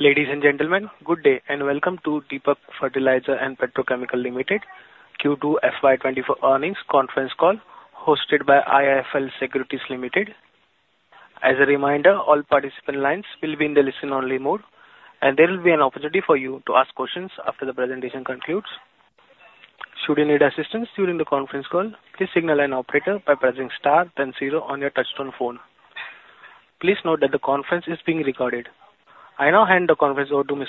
Ladies and gentlemen, good day, and welcome to Deepak Fertilisers And Petrochemicals Limited, Q2 FY24 earnings conference call, hosted by IIFL Securities Limited. As a reminder, all participant lines will be in the listen-only mode, and there will be an opportunity for you to ask questions after the presentation concludes. Should you need assistance during the conference call, please signal an operator by pressing star then zero on your touchtone phone. Please note that the conference is being recorded. I now hand the conference over to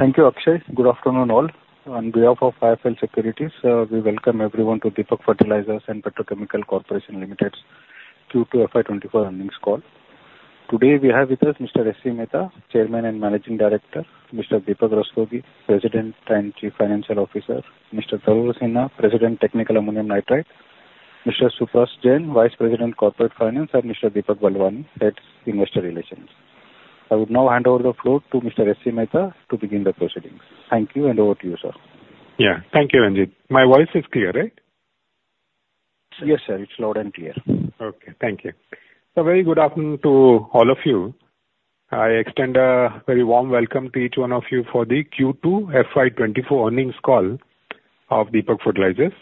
Thank you, Akshay. Good afternoon, all. On behalf of IIFL Securities, we welcome everyone to Deepak Fertilisers And Petrochemicals Corporation Limited's Q2 FY 2024 earnings call. Today, we have with us Mr. S.C. Mehta, Chairman and Managing Director, Mr. Deepak Rastogi, President and Chief Financial Officer, Mr. Tarun Sinha, President, Technical Ammonium Nitrate, Mr. Suparas Jain, Vice President, Corporate Finance, and Mr. Deepak Balwani, Head, Investor Relations. I would now hand over the floor to Mr. S.C. Mehta to begin the proceedings. Thank you, and over to you, sir. Yeah. Thank you, Ranjit. My voice is clear, right? Yes, sir. It's loud and clear. Okay. Thank you. So very good afternoon to all of you. I extend a very warm welcome to each one of you for the Q2 FY 2024 earnings call of Deepak Fertilisers.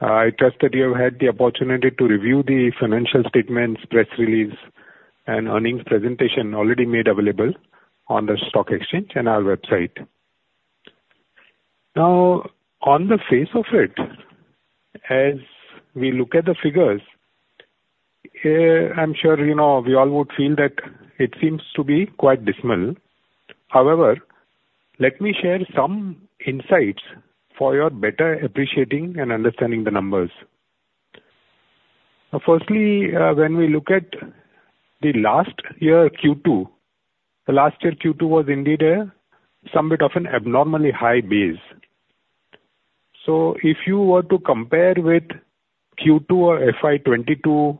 I trust that you have had the opportunity to review the financial statements, press release, and earnings presentation already made available on the stock exchange and our website. Now, on the face of it, as we look at the figures, I'm sure, you know, we all would feel that it seems to be quite dismal. However, let me share some insights for your better appreciating and understanding the numbers. Firstly, when we look at the last year, Q2, the last year, Q2, was indeed a somewhat of an abnormally high base. So if you were to compare with Q2 of FY 2022,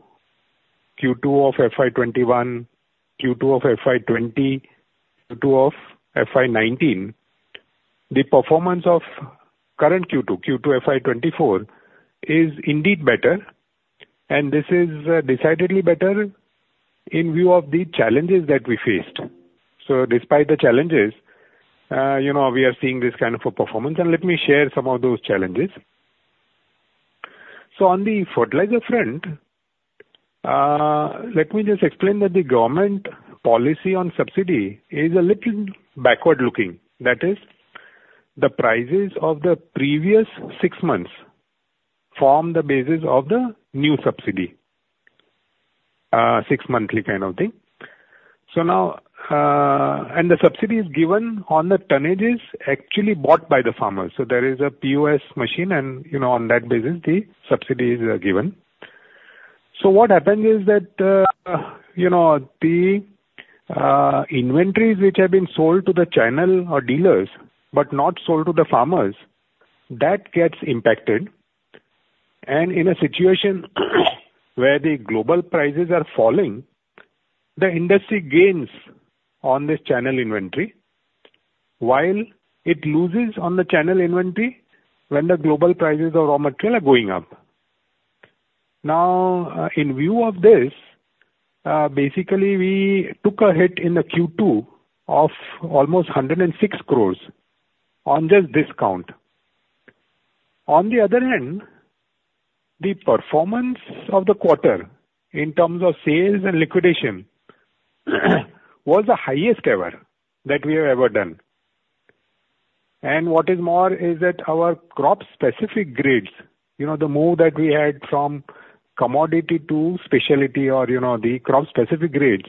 Q2 of FY 2021, Q2 of FY 2020, Q2 of FY 2019, the performance of current Q2, Q2 FY 2024, is indeed better, and this is decidedly better in view of the challenges that we faced. So despite the challenges, you know, we are seeing this kind of a performance, and let me share some of those challenges. So on the fertilizer front, let me just explain that the government policy on subsidy is a little backward-looking. That is, the prices of the previous 6 months form the basis of the new subsidy, 6-monthly kind of thing. So now, and the subsidy is given on the tonnages actually bought by the farmers. So there is a POS machine, and, you know, on that basis, the subsidy is given. So what happened is that, you know, the inventories which have been sold to the channel or dealers, but not sold to the farmers, that gets impacted. And in a situation where the global prices are falling, the industry gains on this channel inventory, while it loses on the channel inventory when the global prices of raw material are going up. Now, in view of this, basically, we took a hit in the Q2 of almost 106 crore on just this count. On the other hand, the performance of the quarter in terms of sales and liquidation was the highest ever that we have ever done. And what is more, is that our crop-specific grades, you know, the move that we had from commodity to specialty or, you know, the crop-specific grades,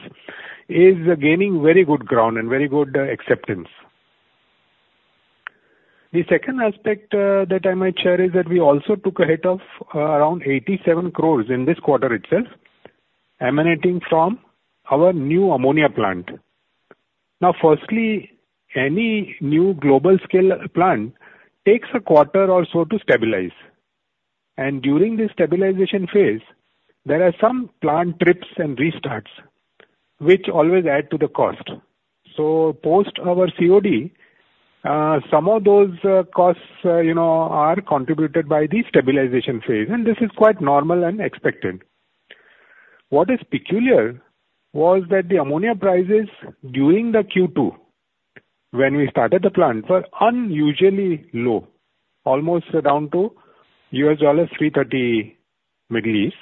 is gaining very good ground and very good acceptance. The second aspect, that I might share is that we also took a hit of around 87 crore in this quarter itself, emanating from our new ammonia plant. Now, firstly, any new global scale plant takes a quarter or so to stabilize, and during this stabilization phase, there are some plant trips and restarts which always add to the cost. So post our COD, some of those costs, you know, are contributed by the stabilization phase, and this is quite normal and expected. What is peculiar was that the ammonia prices during the Q2, when we started the plant, were unusually low, almost down to $330 Middle East.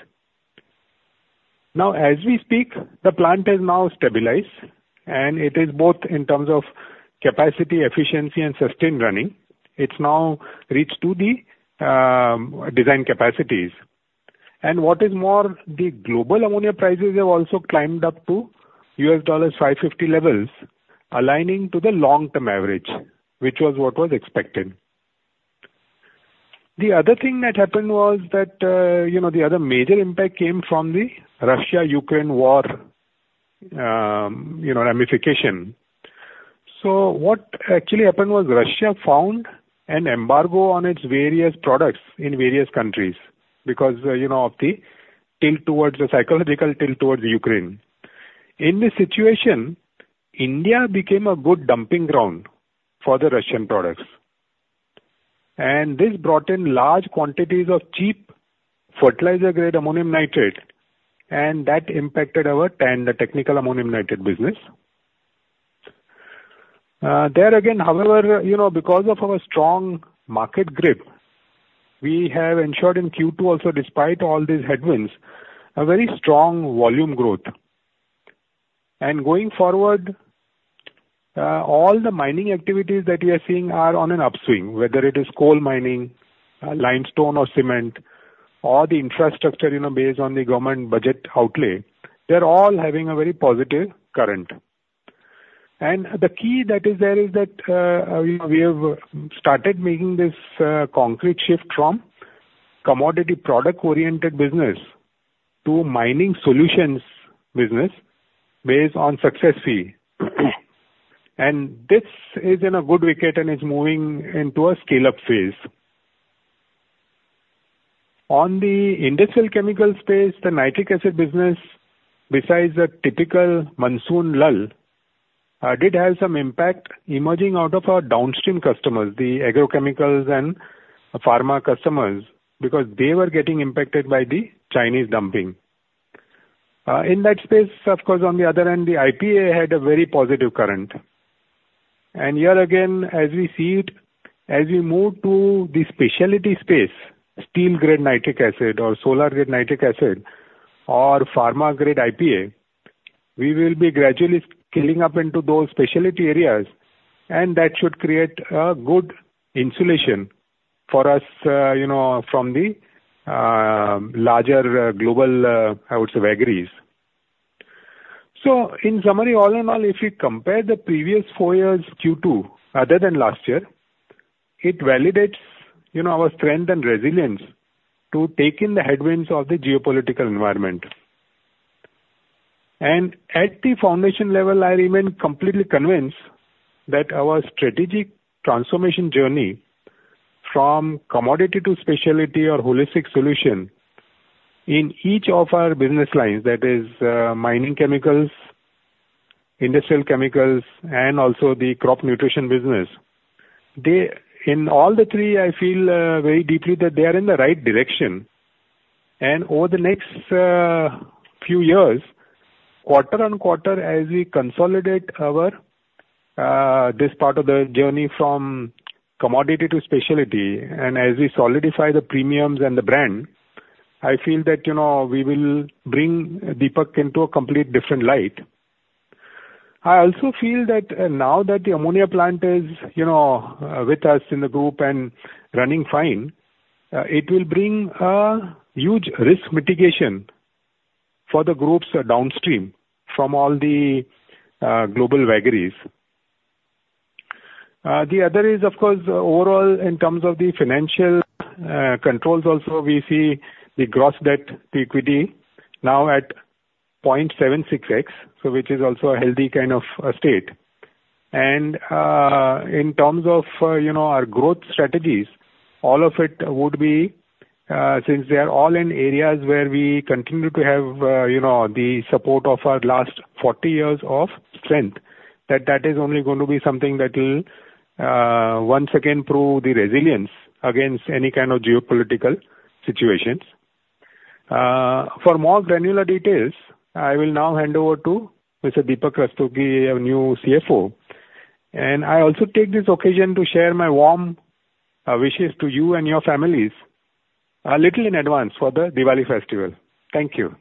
Now, as we speak, the plant is now stabilized, and it is both in terms of capacity, efficiency and sustained running. It's now reached to the design capacities. What is more, the global ammonia prices have also climbed up to $550 levels, aligning to the long-term average, which was what was expected. The other thing that happened was that, you know, the other major impact came from the Russia-Ukraine war, you know, ramification. So what actually happened was Russia found an embargo on its various products in various countries because, you know, of the tilt towards the psychological tilt towards Ukraine. In this situation, India became a good dumping ground for the Russian products. And this brought in large quantities of cheap fertilizer-grade ammonium nitrate, and that impacted our TAN, the technical ammonium nitrate business. There again, however, you know, because of our strong market grip, we have ensured in Q2 also, despite all these headwinds, a very strong volume growth. Going forward, all the mining activities that we are seeing are on an upswing, whether it is coal mining, limestone or cement or the infrastructure, you know, based on the government budget outlay, they're all having a very positive current. And the key that is there is that, we have started making this, concrete shift from commodity product-oriented business to mining solutions business based on success fee. And this is in a good wicket and is moving into a scale-up phase. On the industrial chemical space, the nitric acid business, besides a typical monsoon lull, did have some impact emerging out of our downstream customers, the agrochemicals and pharma customers, because they were getting impacted by the Chinese dumping. In that space, of course, on the other hand, the IPA had a very positive current. Here again, as we see it, as we move to the specialty space, steel-grade nitric acid or solar-grade nitric acid or pharma-grade IPA, we will be gradually scaling up into those specialty areas, and that should create a good insulation for us, you know, from the larger global, I would say, vagaries. So in summary, all in all, if we compare the previous four years Q2, other than last year, it validates, you know, our strength and resilience to take in the headwinds of the geopolitical environment. And at the foundation level, I remain completely convinced that our strategic transformation journey from commodity to specialty or holistic solution in each of our business lines, that is, mining chemicals, industrial chemicals, and also the crop nutrition business. In all the three, I feel very deeply that they are in the right direction. And over the next few years, quarter on quarter, as we consolidate our this part of the journey from commodity to specialty, and as we solidify the premiums and the brand, I feel that, you know, we will bring Deepak into a complete different light. I also feel that now that the ammonia plant is, you know, with us in the group and running fine, it will bring a huge risk mitigation for the group's downstream from all the global vagaries. The other is, of course, overall, in terms of the financial controls also, we see the gross debt to equity now at 0.76x, so which is also a healthy kind of a state. In terms of, you know, our growth strategies, all of it would be, since they are all in areas where we continue to have, you know, the support of our last 40 years of strength, that that is only going to be something that will, once again prove the resilience against any kind of geopolitical situations. For more granular details, I will now hand over to Mr. Deepak Rastogi, our new CFO, and I also take this occasion to share my warm, wishes to you and your families, a little in advance for the Diwali festival. Thank you.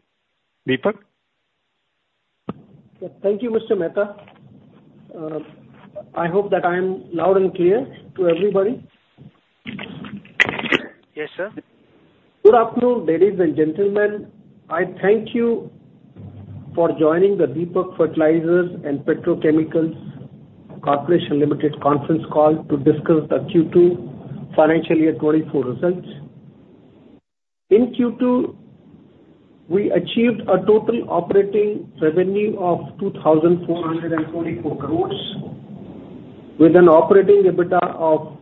Deepak? Thank you, Mr. Mehta. I hope that I am loud and clear to everybody. Yes, sir. Good afternoon, ladies and gentlemen. I thank you for joining the Deepak Fertilisers And Petrochemicals Corporation Limited conference call to discuss the Q2 financial year 2024 results. In Q2, we achieved a total operating revenue of 2,444 crores, with an operating EBITDA of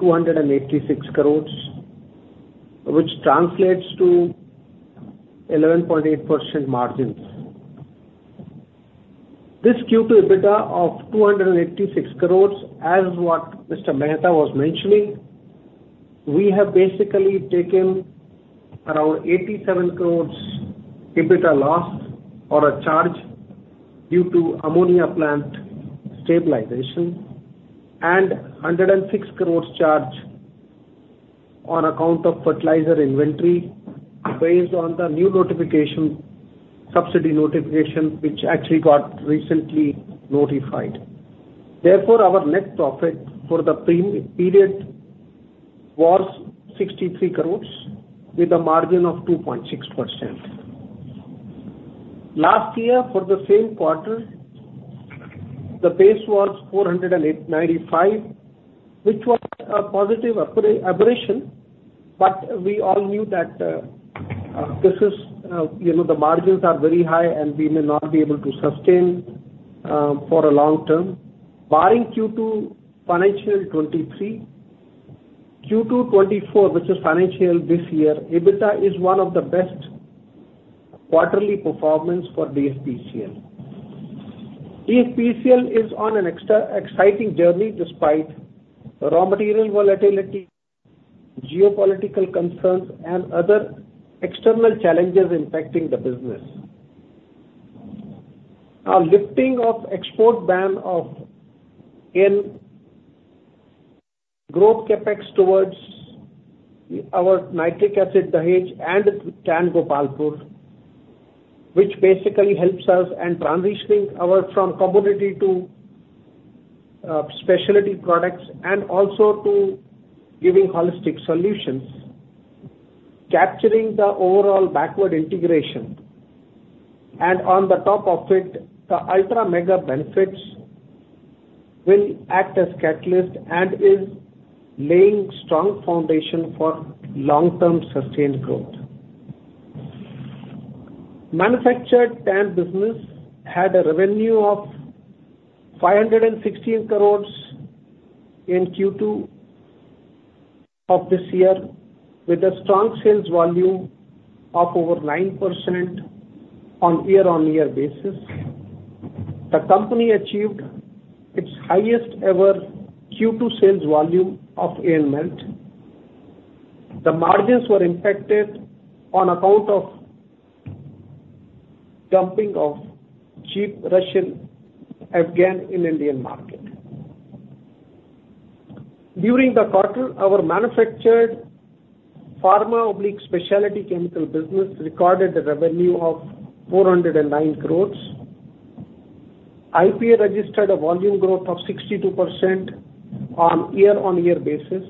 286 crores, which translates to 11.8% margins. This Q2 EBITDA of 286 crores, as what Mr. Mehta was mentioning, we have basically taken around 87 crores EBITDA loss or a charge due to ammonia plant stabilization and 106 crores charge on account of fertilizer inventory based on the new notification, subsidy notification, which actually got recently notified. Therefore, our net profit for the period was 63 crores, with a margin of 2.6%. Last year, for the same quarter, the base was 495, which was a positive operation, but we all knew that, this is, you know, the margins are very high, and we may not be able to sustain, for a long term. Barring Q2, financial 2023, Q2 2024, which is financial this year, EBITDA is one of the best quarterly performance for DFPCL.... DFPCL is on an exciting journey despite raw material volatility, geopolitical concerns, and other external challenges impacting the business. Our lifting of export ban of in growth CapEx towards our nitric acid, Dahej and TAN Gopalpur, which basically helps us and transitioning our from commodity to, specialty products and also to giving holistic solutions, capturing the overall backward integration. And on the top of it, the ultra mega benefits will act as catalyst and is laying strong foundation for long-term sustained growth. Manufactured TAN business had a revenue of 516 crores in Q2 of this year, with a strong sales volume of over 9% on year-on-year basis. The company achieved its highest ever Q2 sales volume of AN melt. The margins were impacted on account of dumping of cheap Russian FGAN in Indian market. During the quarter, our manufactured pharma/specialty chemical business recorded a revenue of 409 crores. IPA registered a volume growth of 62% on year-on-year basis,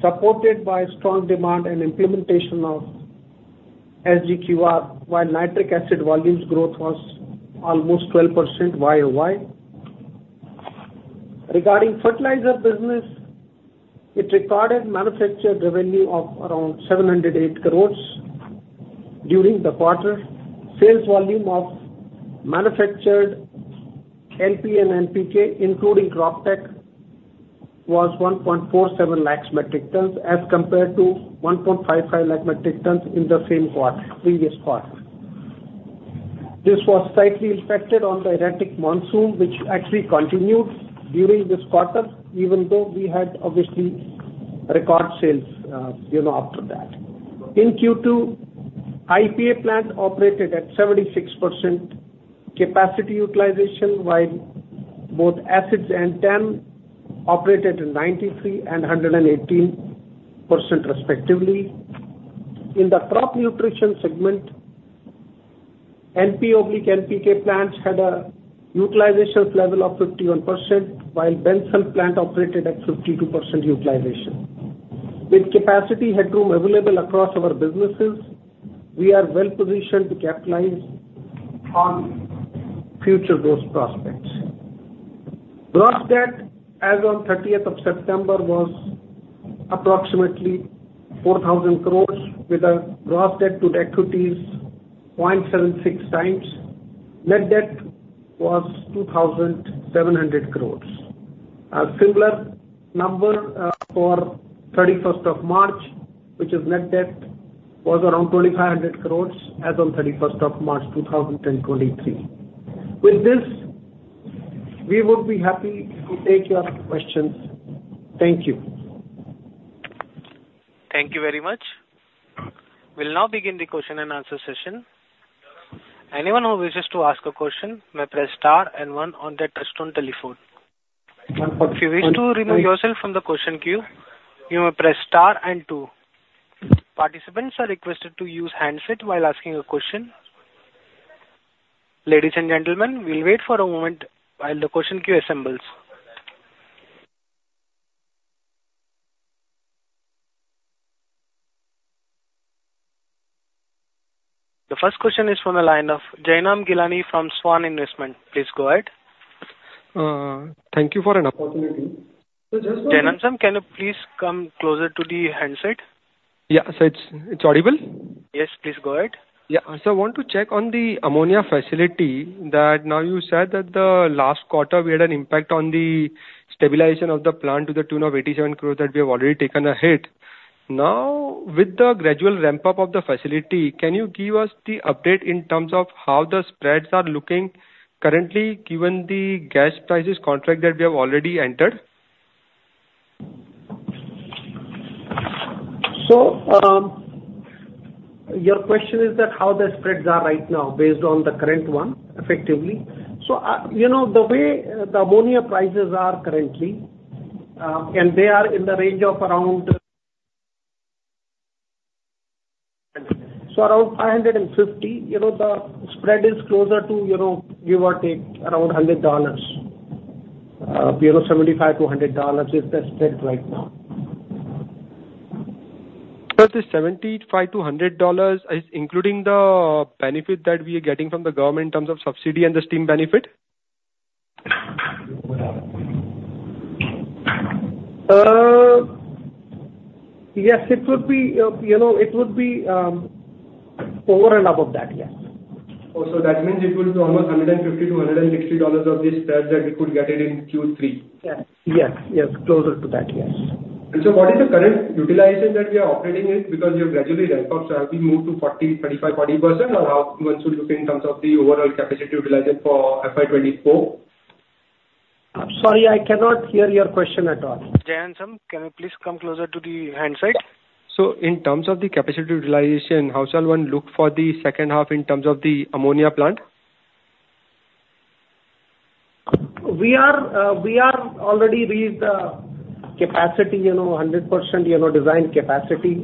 supported by strong demand and implementation of SGQR, while nitric acid volumes growth was almost 12% Y-o-Y. Regarding fertilizer business, it recorded manufactured revenue of around 708 crores during the quarter. Sales volume of manufactured NP and NPK, including Croptek, was 1.47 lakh metric tons, as compared to 1.55 lakh metric tons in the same quarter previous quarter. This was slightly impacted on the erratic monsoon, which actually continued during this quarter, even though we had obviously record sales, you know, after that. In Q2, IPA plant operated at 76% capacity utilization, while both acids and TAN operated at 93% and 118% respectively. In the crop nutrition segment, NP/NPK plants had a utilization level of 51%, while Bensulf plant operated at 52% utilization. With capacity headroom available across our businesses, we are well positioned to capitalize on future growth prospects. Gross debt as on thirtieth of September was approximately 4,000 crore, with a gross debt to equity is 0.76 times. Net debt was 2,700 crore. Our similar number for March 31, which is net debt, was around 2,500 crore as on March 31, 2023. With this, we would be happy to take your questions. Thank you. Thank you very much. We'll now begin the question and answer session. Anyone who wishes to ask a question may press star and one on their touchtone telephone. If you wish to remove yourself from the question queue, you may press star and two. Participants are requested to use handset while asking a question. Ladies and gentlemen, we'll wait for a moment while the question queue assembles. The first question is from the line of Jainam Ghelani from Swan Investment. Please go ahead. Thank you for an opportunity. So just- Jainam, can you please come closer to the handset? Yeah. So it's, it's audible? Yes, please go ahead. Yeah. So I want to check on the ammonia facility, that now you said that the last quarter we had an impact on the stabilization of the plant to the tune of 87 crore, that we have already taken a hit. Now, with the gradual ramp-up of the facility, can you give us the update in terms of how the spreads are looking currently, given the gas prices contract that we have already entered? So, your question is that how the spreads are right now, based on the current one, effectively? So, you know, the way the ammonia prices are currently, and they are in the range of around $550. You know, the spread is closer to, you know, give or take, around $100. You know, $75-$100 is the spread right now. Sir, this $75-$100 is including the benefit that we are getting from the government in terms of subsidy and the steam benefit? Yes, it would be, you know, it would be over and above that. Yeah. Oh, so that means it will be almost $150-$160 of this spread that we could get it in Q3? Yes. Yes, yes, closer to that, yes. So what is the current utilization that we are operating with? Because we have gradually ramped up, so have we moved to 40, 35, 40%, or how much would you say in terms of the overall capacity utilization for FY 2024? I'm sorry, I cannot hear your question at all. Jenam, sir, can you please come closer to the handset? So in terms of the capacity utilization, how shall one look for the second half in terms of the ammonia plant? We are, we are already reached capacity, you know, 100% design capacity.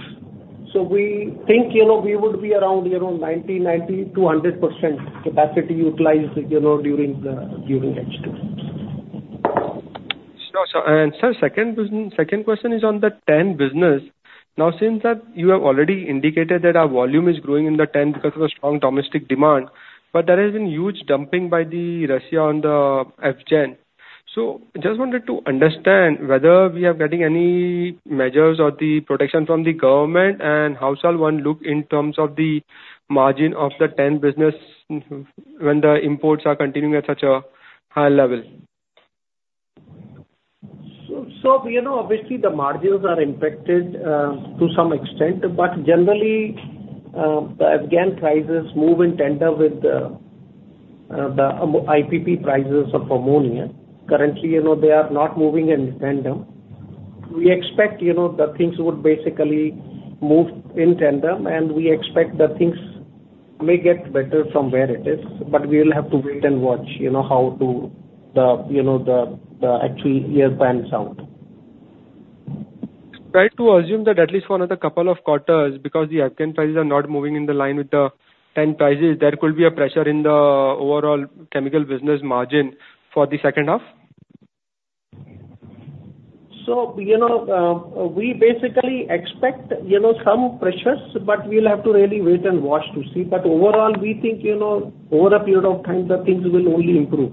So we think, you know, we would be around, you know, 90-100% capacity utilized, you know, during next year. Sure, sir. And sir, second question is on the TAN business. Now, since that you have already indicated that our volume is growing in the TAN because of a strong domestic demand, but there has been huge dumping by Russia on the FGAN. So just wanted to understand whether we are getting any measures or the protection from the government, and how shall one look in terms of the margin of the TAN business, when the imports are continuing at such a high level? So, you know, obviously, the margins are impacted to some extent, but generally, the FGAN prices move in tandem with the IPP prices of ammonia. Currently, you know, they are not moving in tandem. We expect, you know, the things would basically move in tandem, and we expect the things may get better from where it is, but we'll have to wait and watch, you know, how the actual year pans out. Try to assume that at least for another couple of quarters, because the FGAN prices are not moving in line with the TAN prices, there could be a pressure in the overall chemical business margin for the second half? You know, we basically expect, you know, some pressures, but we'll have to really wait and watch to see. But overall, we think, you know, over a period of time, the things will only improve.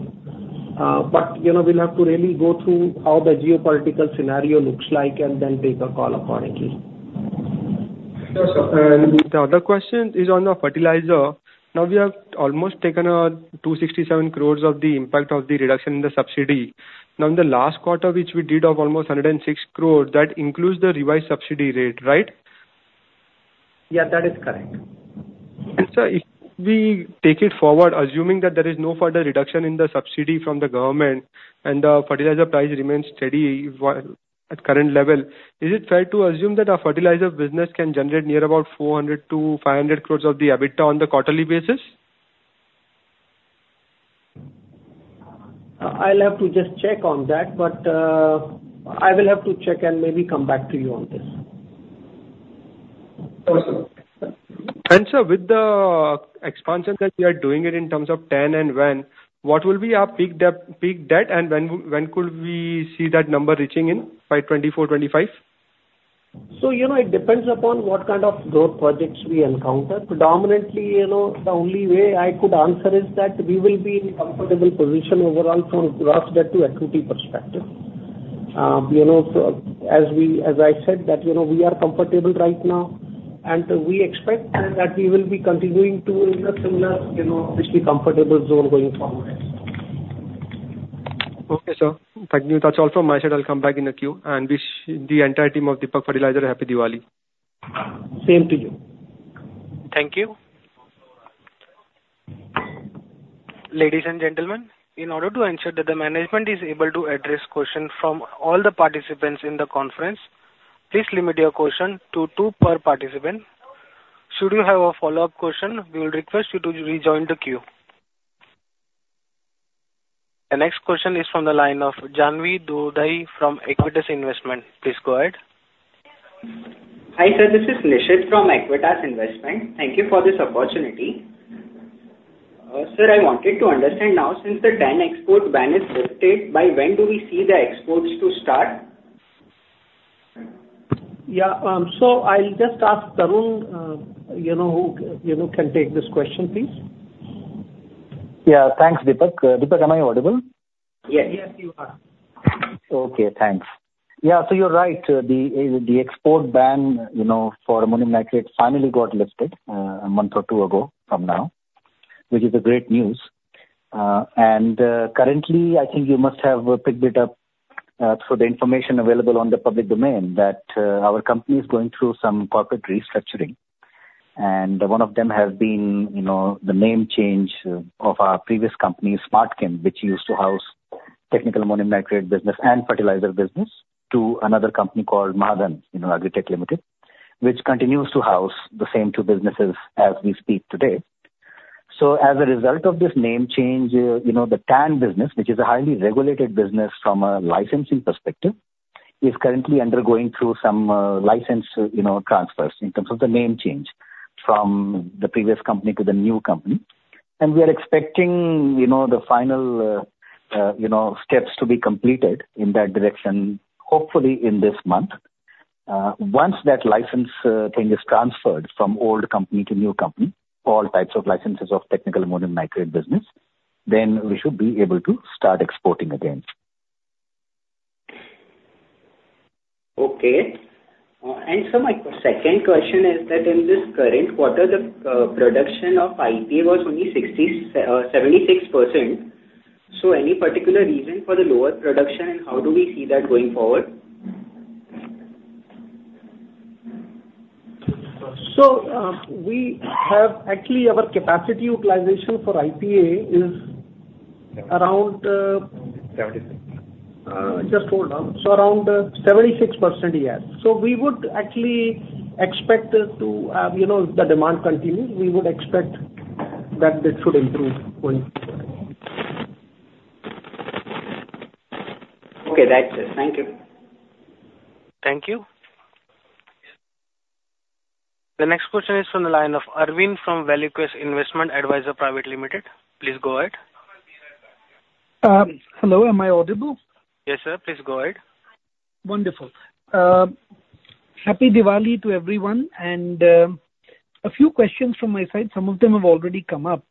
But, you know, we'll have to really go through how the geopolitical scenario looks like and then take a call accordingly. Sure, sir. And the other question is on the fertilizer. Now, we have almost taken 267 crore of the impact of the reduction in the subsidy. Now, in the last quarter, which we did of almost 106 crore, that includes the revised subsidy rate, right? Yeah, that is correct. Sir, if we take it forward, assuming that there is no further reduction in the subsidy from the government and the fertilizer price remains steady at current level, is it fair to assume that our fertilizer business can generate near about 400-500 crore of EBITDA on the quarterly basis? I'll have to just check on that, but, I will have to check and maybe come back to you on this. Sure, sir. And sir, with the expansion that you are doing it in terms of TAN and when, what will be our peak debt, peak debt, and when when could we see that number reaching in, by 2024, 2025? So, you know, it depends upon what kind of growth projects we encounter. Predominantly, you know, the only way I could answer is that we will be in comfortable position overall from gross debt to equity perspective. You know, so as I said, that, you know, we are comfortable right now, and we expect that we will be continuing to in a similar, you know, basically comfortable zone going forward. Okay, sir. Thank you. That's all from my side. I'll come back in the queue and wish the entire team of Deepak Fertilisers a Happy Diwali. Same to you. Thank you. Ladies and gentlemen, in order to ensure that the management is able to address questions from all the participants in the conference, please limit your question to two per participant. Should you have a follow-up question, we will request you to rejoin the queue. The next question is from the line of Janhavi Doshi from Aequitas Investment. Please go ahead. Hi, sir, this is Nishit from Aequitas Investment. Thank you for this opportunity. Sir, I wanted to understand now, since the TAN export ban is lifted, by when do we see the exports to start? Yeah, so I'll just ask Tarun, you know, who can take this question, please. Yeah. Thanks, Deepak. Deepak, am I audible? Yes. Yes, you are. Okay, thanks. Yeah, so you're right. The export ban, you know, for ammonium nitrate finally got lifted a month or two ago from now, which is a great news. And currently, I think you must have picked it up through the information available on the public domain, that our company is going through some corporate restructuring. And one of them has been, you know, the name change of our previous company, SmartChem, which used to house technical ammonium nitrate business and fertilizer business, to another company called Mahadhan, you know, Agritech Limited, which continues to house the same two businesses as we speak today. So as a result of this name change, you know, the TAN business, which is a highly regulated business from a licensing perspective, is currently undergoing through some license, you know, transfers in terms of the name change from the previous company to the new company. And we are expecting, you know, the final, you know, steps to be completed in that direction, hopefully in this month. Once that license thing is transferred from old company to new company, all types of licenses of technical ammonium nitrate business, then we should be able to start exporting again. Okay. And sir, my second question is that in this current quarter, the production of IPA was only 76%. So any particular reason for the lower production, and how do we see that going forward? So, we have actually our capacity utilization for IPA is around, Seventy-six. Just hold on. Around 76%, yes. We would actually expect this to, you know, if the demand continues, we would expect that this should improve going forward. Okay, that's it. Thank you. Thank you. The next question is from the line of Arvind from ValueQuest Investment Advisors Private Limited. Please go ahead. Hello, am I audible? Yes, sir, please go ahead. Wonderful. Happy Diwali to everyone, and a few questions from my side, some of them have already come up.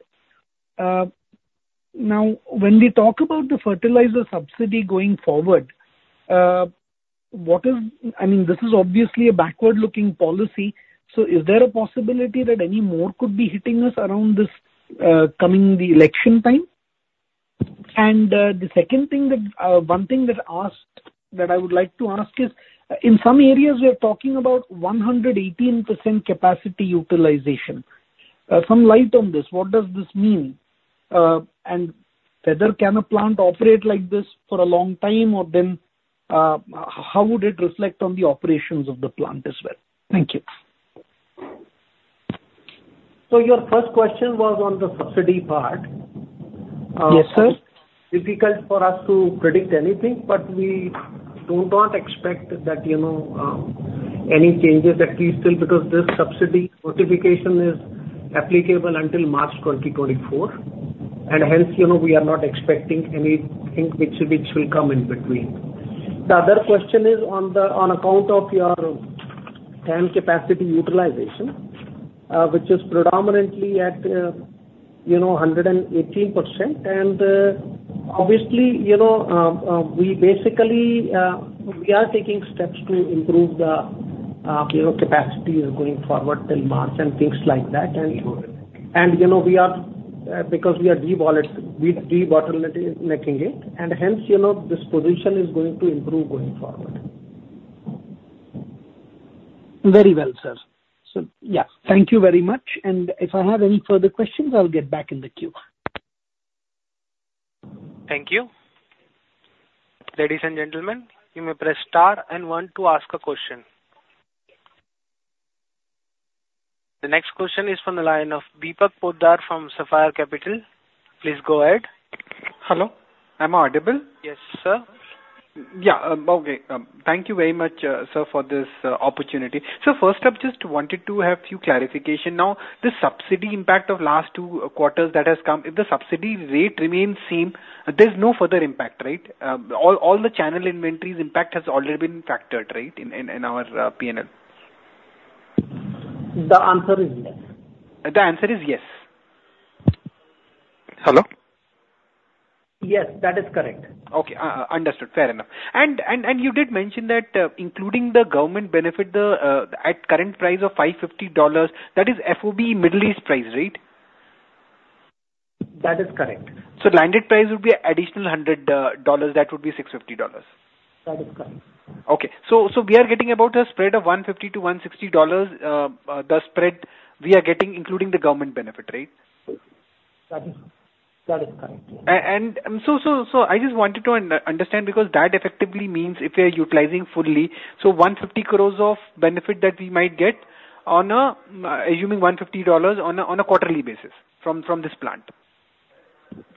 Now, when we talk about the fertilizer subsidy going forward, what is... I mean, this is obviously a backward-looking policy, so is there a possibility that any more could be hitting us around this, coming the election time? And the second thing that, one thing that asked, that I would like to ask is, in some areas, we are talking about 118% capacity utilization. Some light on this, what does this mean? And whether can a plant operate like this for a long time, or then, how would it reflect on the operations of the plant as well? Thank you. Your first question was on the subsidy part. Yes, sir. Difficult for us to predict anything, but we do not expect that, you know, any changes, at least still, because this subsidy notification is applicable until March 2024, and hence, you know, we are not expecting anything which will come in between. The other question is on the, on account of your plant capacity utilization, which is predominantly at, you know, 118%. And, obviously, you know, we basically, we are taking steps to improve the, you know, capacities going forward till March and things like that. And, you know, we are, because we are debottlenecking it, and hence, you know, this position is going to improve going forward. Very well, sir. Yeah, thank you very much. If I have any further questions, I'll get back in the queue. Thank you. Ladies and gentlemen, you may press star and One to ask a question. The next question is from the line of Deepak Poddar from Sapphire Capital. Please go ahead. Hello, am I audible? Yes, sir. Yeah, okay. Thank you very much, sir, for this opportunity. So first up, just wanted to have few clarification. Now, the subsidy impact of last two quarters that has come, if the subsidy rate remains same, there's no further impact, right? All the channel inventories impact has already been factored, right, in our P&L? The answer is yes. The answer is yes. Hello? Yes, that is correct. Okay, understood. Fair enough. And you did mention that, including the government benefit, at current price of $550, that is FOB Middle East price, right? That is correct. Landed price would be additional $100, that would be $650. That is correct. Okay. So, so we are getting about a spread of $150-$160, the spread we are getting, including the government benefit, right? That is, that is correct. And so I just wanted to understand, because that effectively means if we are utilizing fully, so 150 crore of benefit that we might get on a, assuming $150 on a quarterly basis from this plant.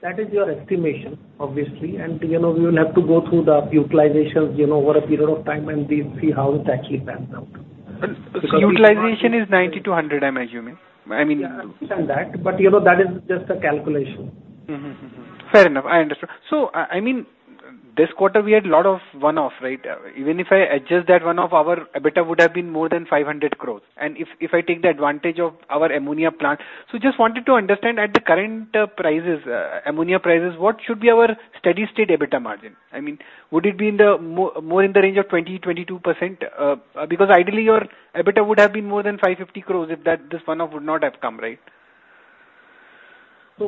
That is your estimation, obviously, and, you know, we will have to go through the utilizations, you know, over a period of time, and we see how it actually pans out. Utilization is 90-100, I'm assuming. I mean- I understand that, but, you know, that is just a calculation. Fair enough. I understand. So, I mean, this quarter we had a lot of one-off, right? Even if I adjust that one-off, our EBITDA would have been more than 500 crore. And if I take the advantage of our ammonia plant... So just wanted to understand, at the current prices, ammonia prices, what should be our steady-state EBITDA margin? I mean, would it be more in the range of 20%-22%? Because ideally, your EBITDA would have been more than 550 crore if that, this one-off would not have come, right?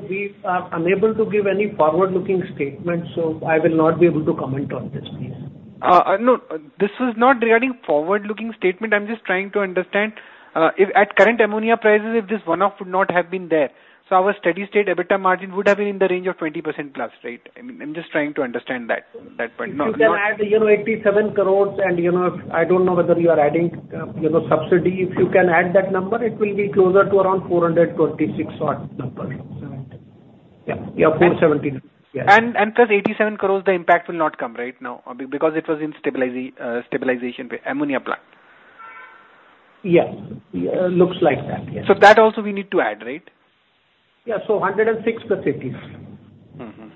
We are unable to give any forward-looking statement, so I will not be able to comment on this, please. No, this is not regarding forward-looking statement. I'm just trying to understand, if at current ammonia prices, if this one-off would not have been there, so our steady-state EBITDA margin would have been in the range of 20%+, right? I mean, I'm just trying to understand that, that point. You can add, you know, 87 crore, and, you know, I don't know whether you are adding subsidy. If you can add that number, it will be closer to around 426 odd number. Seven. Yeah, yeah, 470. Plus 87 crore, the impact will not come right now because it was in stabilization ammonia plant. Yeah. Yeah, looks like that. Yes. So that also we need to add, right? Yeah. So 106 + 50. Mm-hmm. Mm-hmm.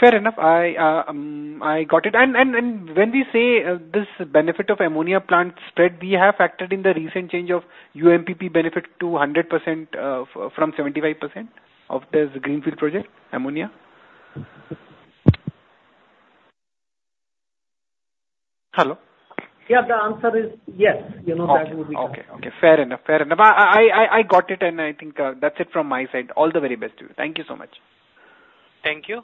Fair enough. I got it. And when we say this benefit of ammonia plant spread, we have factored in the recent change of UMPP benefit to 100% from 75% of this greenfield project, ammonia? Hello? Yeah. The answer is yes. You know, that would be- Okay, okay. Fair enough. Fair enough. I got it, and I think that's it from my side. All the very best to you. Thank you so much. Thank you.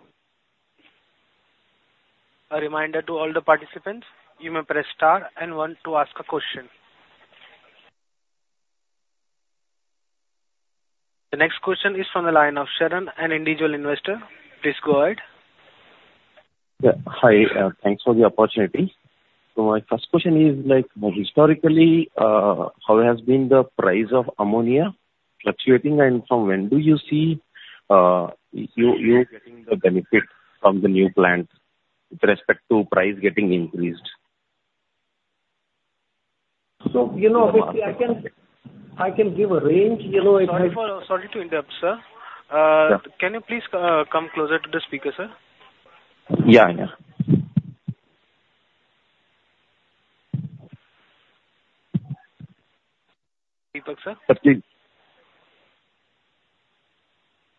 A reminder to all the participants, you may press star and one to ask a question. The next question is from the line of Sharon, an individual investor. Please go ahead. Yeah. Hi. Thanks for the opportunity. So my first question is, like, historically, how has been the price of ammonia fluctuating, and from when do you see you getting the benefit from the new plant with respect to price getting increased? You know, obviously, I can give a range, you know- Sorry for... Sorry to interrupt, sir. Yeah. Can you please come closer to the speaker, sir? Yeah, yeah. Deepak sir? Please.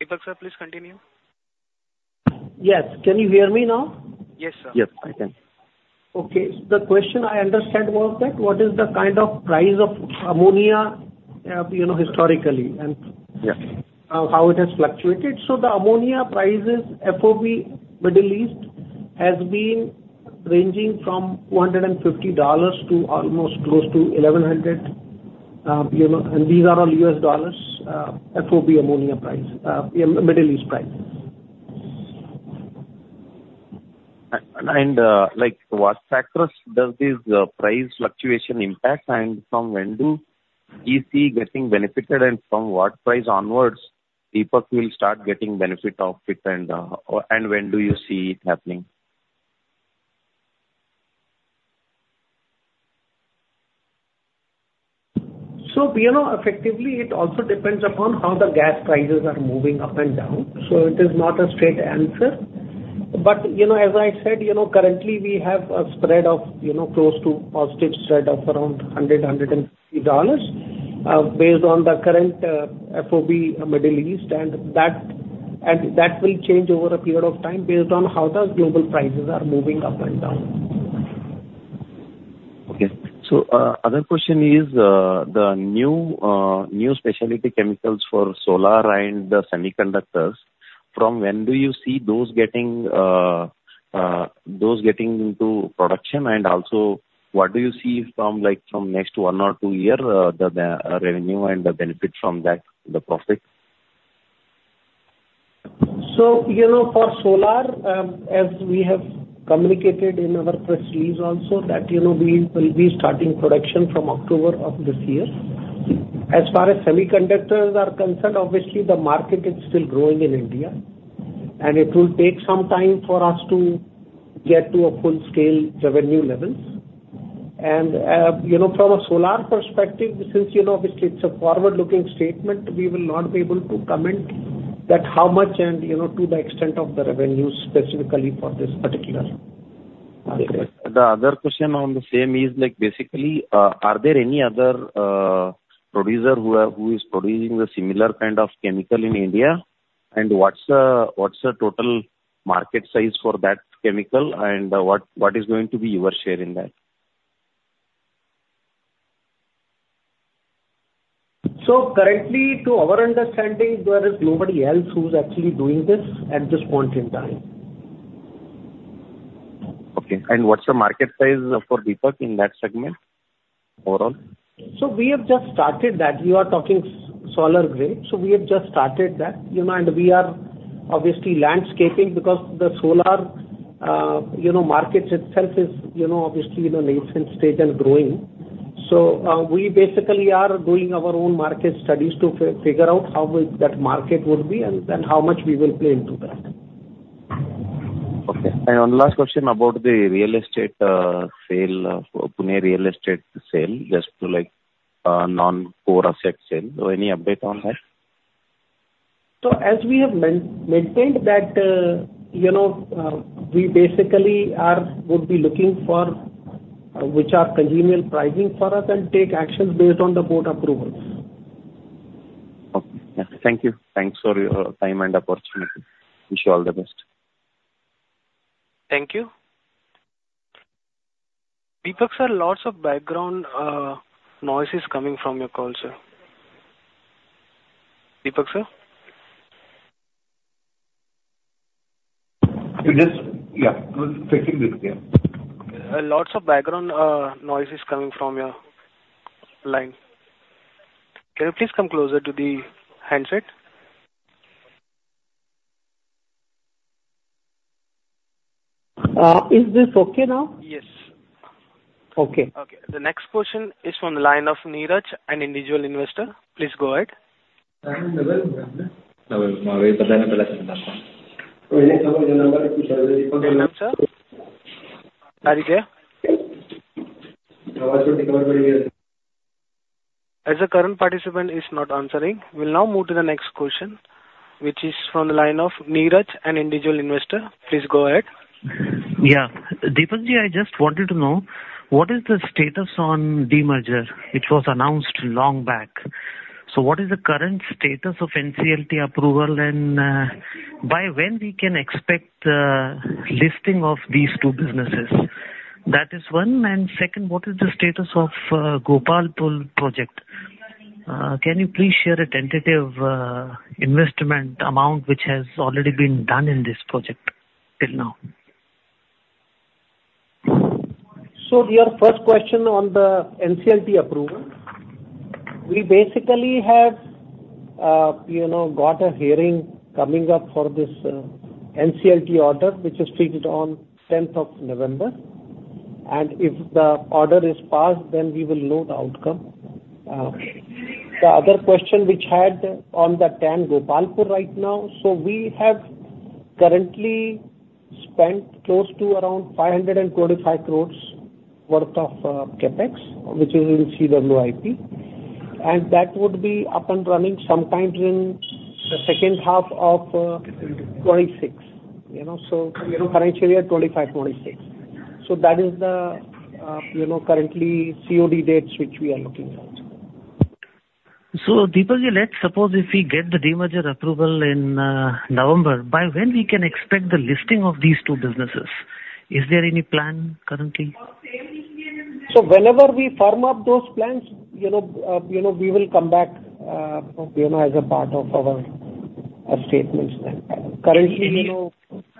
Deepak sir, please continue. Yes. Can you hear me now? Yes, sir. Yes, I can. Okay. The question I understand was that what is the kind of price of ammonia, you know, historically, and- Yes. how it has fluctuated. So the ammonia prices, FOB Middle East, has been ranging from $250 to almost close to $1,100. You know, and these are all US dollars, FOB ammonia price, Middle East price. Like, what factors does this price fluctuation impact, and from when do you see getting benefited, and from what price onwards Deepak will start getting benefit of it, and when do you see it happening? So, you know, effectively, it also depends upon how the gas prices are moving up and down, so it is not a straight answer. But, you know, as I said, you know, currently we have a spread of, you know, close to positive spread of around $100-$150, based on the current, FOB, Middle East, and that, and that will change over a period of time based on how the global prices are moving up and down. Okay. So, other question is, the new, new specialty chemicals for solar and the semiconductors, from when do you see those getting, those getting into production? And also, what do you see from, like, from next one or two year, the, the, revenue and the benefit from that, the profit? So, you know, for solar, as we have communicated in our press release also, that, you know, we will be starting production from October of this year. As far as semiconductors are concerned, obviously the market is still growing in India, and it will take some time for us to get to a full-scale revenue levels. And, you know, from a solar perspective, since you know, obviously it's a forward-looking statement, we will not be able to comment that how much and, you know, to the extent of the revenue specifically for this particular project. The other question on the same is, like, basically, are there any other producer who is producing the similar kind of chemical in India? And what's the total market size for that chemical, and what is going to be your share in that? Currently, to our understanding, there is nobody else who's actually doing this at this point in time. Okay. And what's the market size for Deepak in that segment overall? So we have just started that. We are talking solar grade. So we have just started that, you know, and we are obviously landscaping because the solar, you know, markets itself is, you know, obviously in a nascent state and growing. So, we basically are doing our own market studies to figure out how will that market would be and then how much we will play into that. Okay. And one last question about the real estate sale, Pune real estate sale, just to like non-core asset sale. So any update on that? So, as we have maintained that, you know, we basically would be looking for which are congenial pricing for us and take actions based on the board approval. Okay. Thank you. Thanks for your time and opportunity. Wish you all the best. Thank you. Deepak sir, lots of background noise is coming from your call, sir. Deepak sir? You just... Yeah. Fixing this. Yeah. Lots of background noise is coming from your line. Can you please come closer to the handset? Is this okay now? Yes. Okay. Okay. The next question is from the line of Neeraj, an individual investor. Please go ahead. As the current participant is not answering, we'll now move to the next question, which is from the line of Neeraj, an individual investor. Please go ahead. Yeah. Deepak ji, I just wanted to know, what is the status on demerger? It was announced long back. So what is the current status of NCLT approval, and by when we can expect listing of these two businesses? That is one. And second, what is the status of Gopalpur project? Can you please share a tentative investment amount which has already been done in this project till now? So your first question on the NCLT approval, we basically have, you know, got a hearing coming up for this, NCLT order, which is treated on tenth of November. And if the order is passed, then we will know the outcome. The other question which had on the TAN Gopalpur right now, so we have currently spent close to around 525 crore worth of, CapEx, which is in CWIP, and that would be up and running sometime in the second half of 2026, you know. So financial year 2025, 2026. So that is the, you know, currently COD dates, which we are looking at. Deepak-ji, let's suppose if we get the demerger approval in November, by when we can expect the listing of these two businesses, is there any plan currently? So whenever we firm up those plans, you know, you know, we will come back, you know, as a part of our statements. Then currently, you know,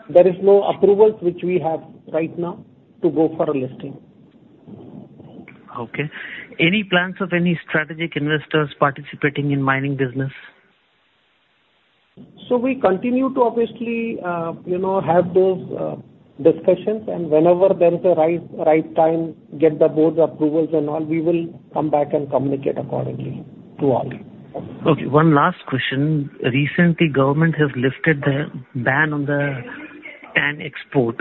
there is no approvals, which we have right now to go for a listing. Okay. Any plans of any strategic investors participating in mining business? We continue to obviously, you know, have those discussions, and whenever there is a right, right time, get the board approvals and all, we will come back and communicate accordingly to all. Okay, one last question. Recently, government has lifted the ban on the TAN export.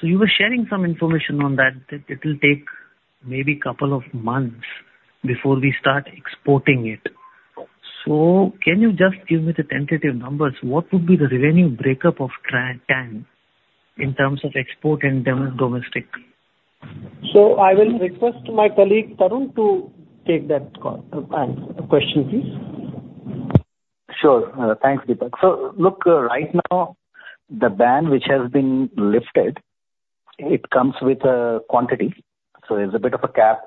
So you were sharing some information on that, that it will take maybe couple of months before we start exporting it. So can you just give me the tentative numbers? What would be the revenue breakup of TAN in terms of export and domestic? I will request my colleague, Tarun, to take that call, question, please. Sure. Thanks, Deepak. So look, right now, the ban which has been lifted, it comes with a quantity, so there's a bit of a cap,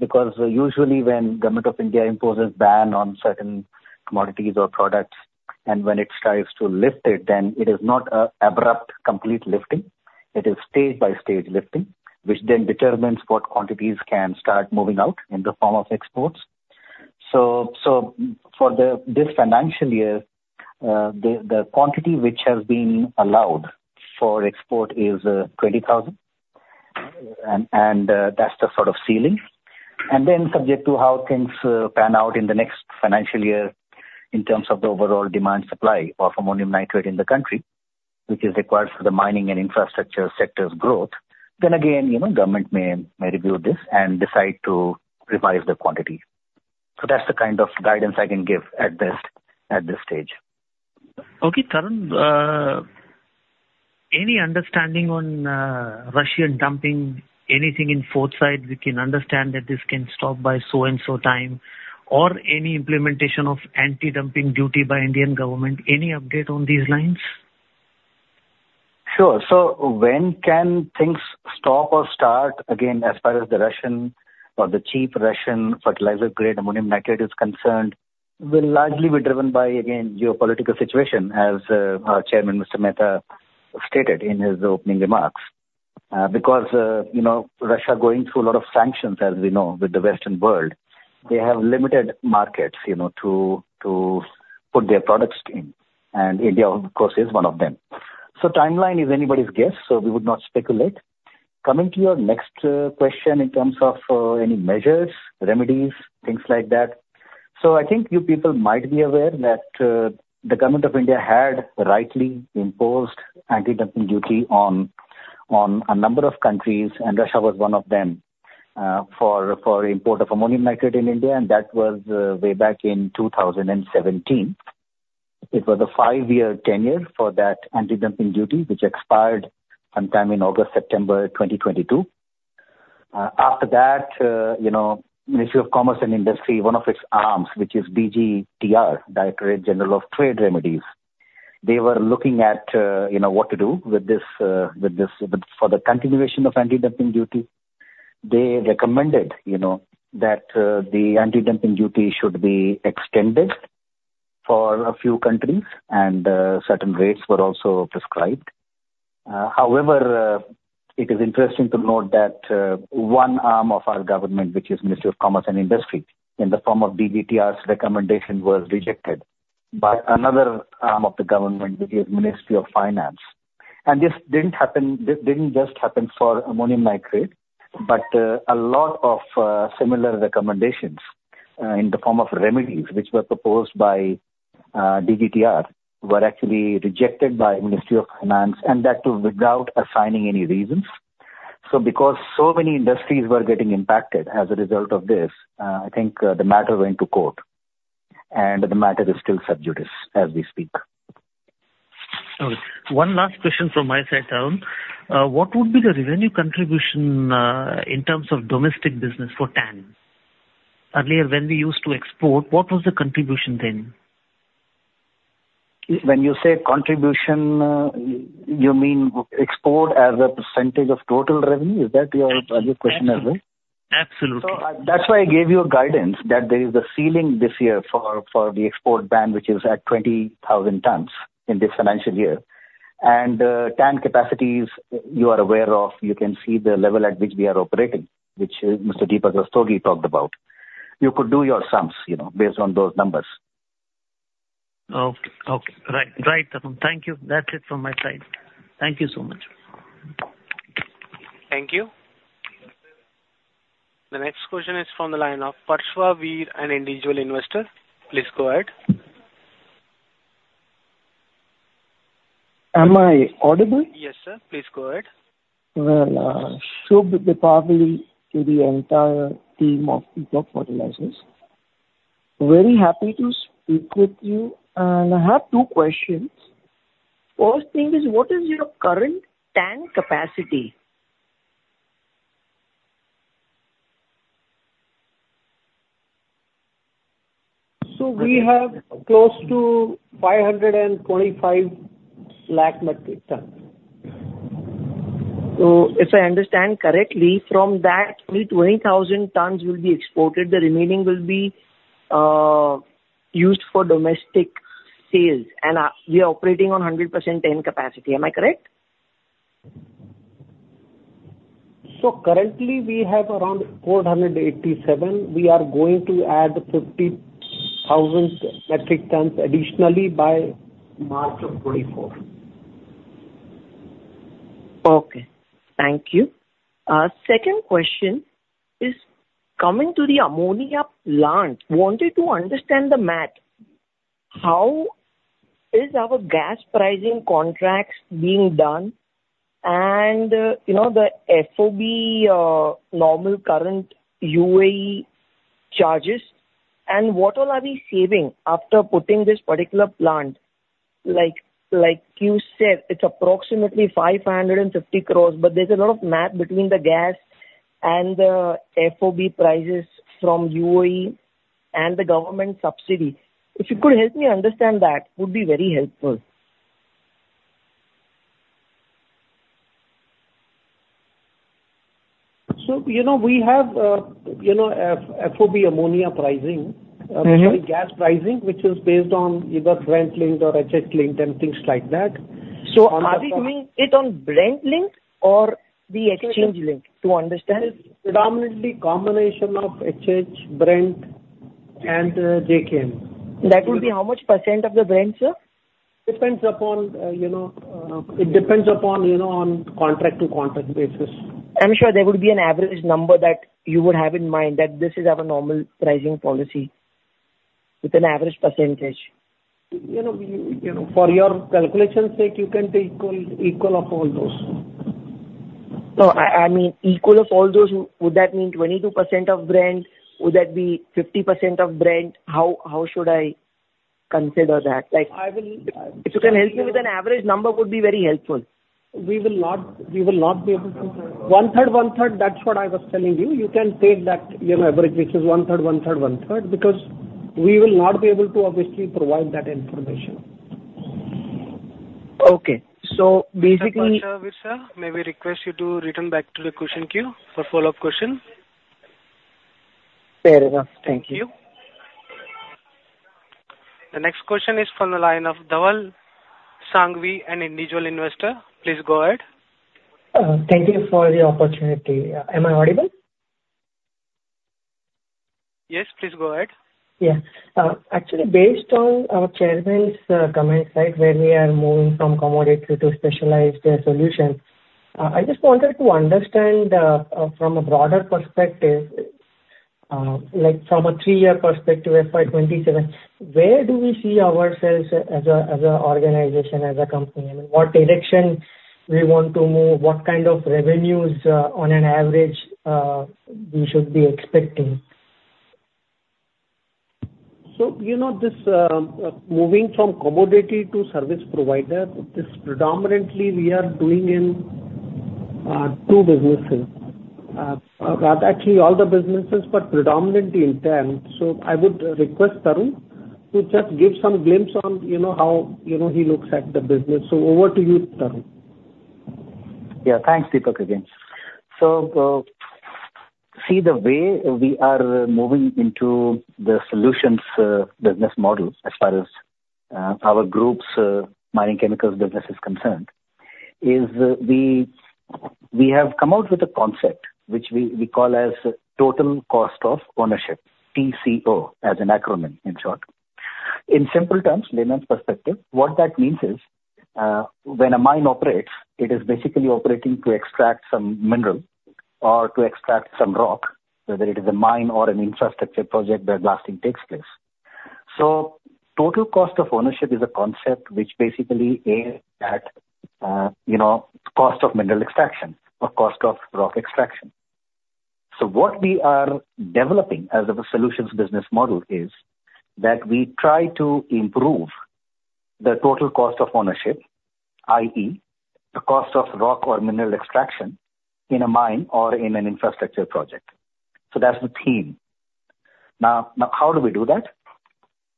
because usually when Government of India imposes ban on certain commodities or products, and when it strives to lift it, then it is not an abrupt, complete lifting. It is stage by stage lifting, which then determines what quantities can start moving out in the form of exports. So for this financial year, the quantity which has been allowed for export is 20,000, and that's the sort of ceiling. And then, subject to how things pan out in the next financial year in terms of the overall demand supply of ammonium nitrate in the country, which is required for the mining and infrastructure sector's growth, then again, you know, the government may review this and decide to revise the quantity. So that's the kind of guidance I can give at this stage. Okay, Tarun, any understanding on Russian dumping anything in foresight? We can understand that this can stop by so and so time, or any implementation of anti-dumping duty by Indian government. Any update on these lines? Sure. So when can things stop or start again, as far as the Russian or the cheap Russian fertilizer grade ammonium nitrate is concerned, will largely be driven by, again, geopolitical situation, as our chairman, Mr. Mehta, stated in his opening remarks. Because, you know, Russia going through a lot of sanctions, as we know, with the Western world, they have limited markets, you know, to put their products in, and India, of course, is one of them. So timeline is anybody's guess, so we would not speculate. Coming to your next question in terms of any measures, remedies, things like that. So I think you people might be aware that, the Government of India had rightly imposed anti-dumping duty on, on a number of countries, and Russia was one of them, for, for import of ammonium nitrate in India, and that was, way back in 2017. It was a five-year tenure for that anti-dumping duty, which expired sometime in August, September 2022. After that, you know, Ministry of Commerce and Industry, one of its arms, which is DGTR, Directorate General of Trade Remedies, they were looking at, you know, what to do with this, for the continuation of anti-dumping duty. They recommended, you know, that, the anti-dumping duty should be extended for a few countries, and, certain rates were also prescribed. However, it is interesting to note that one arm of our government, which is Ministry of Commerce and Industry, in the form of DGTR's recommendation, was rejected by another arm of the government, which is Ministry of Finance. This didn't just happen for ammonium nitrate, but a lot of similar recommendations in the form of remedies, which were proposed by DGTR, were actually rejected by Ministry of Finance, and that too, without assigning any reasons. Because so many industries were getting impacted as a result of this, I think the matter went to court, and the matter is still sub judice as we speak. Okay, one last question from my side, Tarun. What would be the revenue contribution, in terms of domestic business for TAN? Earlier, when we used to export, what was the contribution then? When you say contribution, you mean export as a percentage of total revenue? Is that your, are your question as well? Absolutely. So that's why I gave you a guidance that there is a ceiling this year for the export ban, which is at 20,000 tons in this financial year. And, TAN capacities, you are aware of, you can see the level at which we are operating, which, Mr. Deepak Rastogi talked about. You could do your sums, you know, based on those numbers. Okay. Okay. Right. Right, Tarun. Thank you. That's it from my side. Thank you so much. Thank you. The next question is from the line of Parshva Vir, an individual investor. Please go ahead. Am I audible? Yes, sir. Please go ahead. Well, superb probably to the entire team of Deepak Fertilizers. Very happy to speak with you, and I have two questions. First thing is, what is your current TAN capacity? We have close to 525 lakh metric tons. So if I understand correctly, from that, only 20,000 tons will be exported, the remaining will be used for domestic sales, and we are operating on 100% TAN capacity. Am I correct? Currently we have around 487. We are going to add 50,000 metric tons additionally by March 2024. Okay. Thank you. Second question is, coming to the ammonia plant, wanted to understand the math. How is our gas pricing contracts being done? And, you know, the FOB, normal current UAE charges, and what all are we saving after putting this particular plant? Like, like you said, it's approximately 550 crore, but there's a lot of math between the gas and the FOB prices from UAE and the government subsidy. If you could help me understand that, would be very helpful. So, you know, we have, you know, FOB ammonia pricing- Mm-hmm. Sorry, gas pricing, which is based on either Brent linked or HH linked and things like that. Are we doing it on Brent linked or the exchange link, to understand? It's predominantly combination of HH, Brent, and JKM. That would be how much % of the Brent, sir? It depends upon, you know, on contract-to-contract basis. I'm sure there would be an average number that you would have in mind that this is our normal pricing policy, with an average percentage. You know, we, you know, for your calculation sake, you can take equal, equal of all those. No, I mean, equal of all those, would that mean 22% of Brent? Would that be 50% of Brent? How, how should I consider that? Like- I will, I- If you can help me with an average number, would be very helpful. We will not, we will not be able to... 1/3, 1/3, that's what I was telling you. You can take that, you know, average, which is 1/3, 1/3, 1/3, because we will not be able to obviously provide that information. Okay. So basically- Parshva Vir, sir, may we request you to return back to the question queue for follow-up question? Fair enough. Thank you. Thank you. The next question is from the line of Dhaval Sanghavi, an individual investor. Please go ahead. Thank you for the opportunity. Am I audible? Yes, please go ahead. Yeah. Actually, based on our chairman's comment side, where we are moving from commodity to specialized solution, I just wanted to understand from a broader perspective like from a three-year perspective, FY 2027, where do we see ourselves as a as a organization, as a company? I mean, what direction we want to move, what kind of revenues on an average we should be expecting? So, you know, this, moving from commodity to service provider, this predominantly we are doing in, two businesses. Rather actually all the businesses, but predominantly in TAN. So I would request Tarun to just give some glimpse on, you know, how, you know, he looks at the business. So over to you, Tarun. Yeah. Thanks, Deepak, again. So, see, the way we are moving into the solutions business model, as far as our group's mining chemicals business is concerned, is we have come out with a concept which we call as Total Cost of Ownership, TCO, as an acronym, in short. In simple terms, layman's perspective, what that means is when a mine operates, it is basically operating to extract some mineral or to extract some rock, whether it is a mine or an infrastructure project, the blasting takes place. So Total Cost of Ownership is a concept which basically aims at, you know, cost of mineral extraction or cost of rock extraction. So what we are developing as a solutions business model is, that we try to improve the total cost of ownership, i.e., the cost of rock or mineral extraction in a mine or in an infrastructure project. So that's the theme. Now, how do we do that?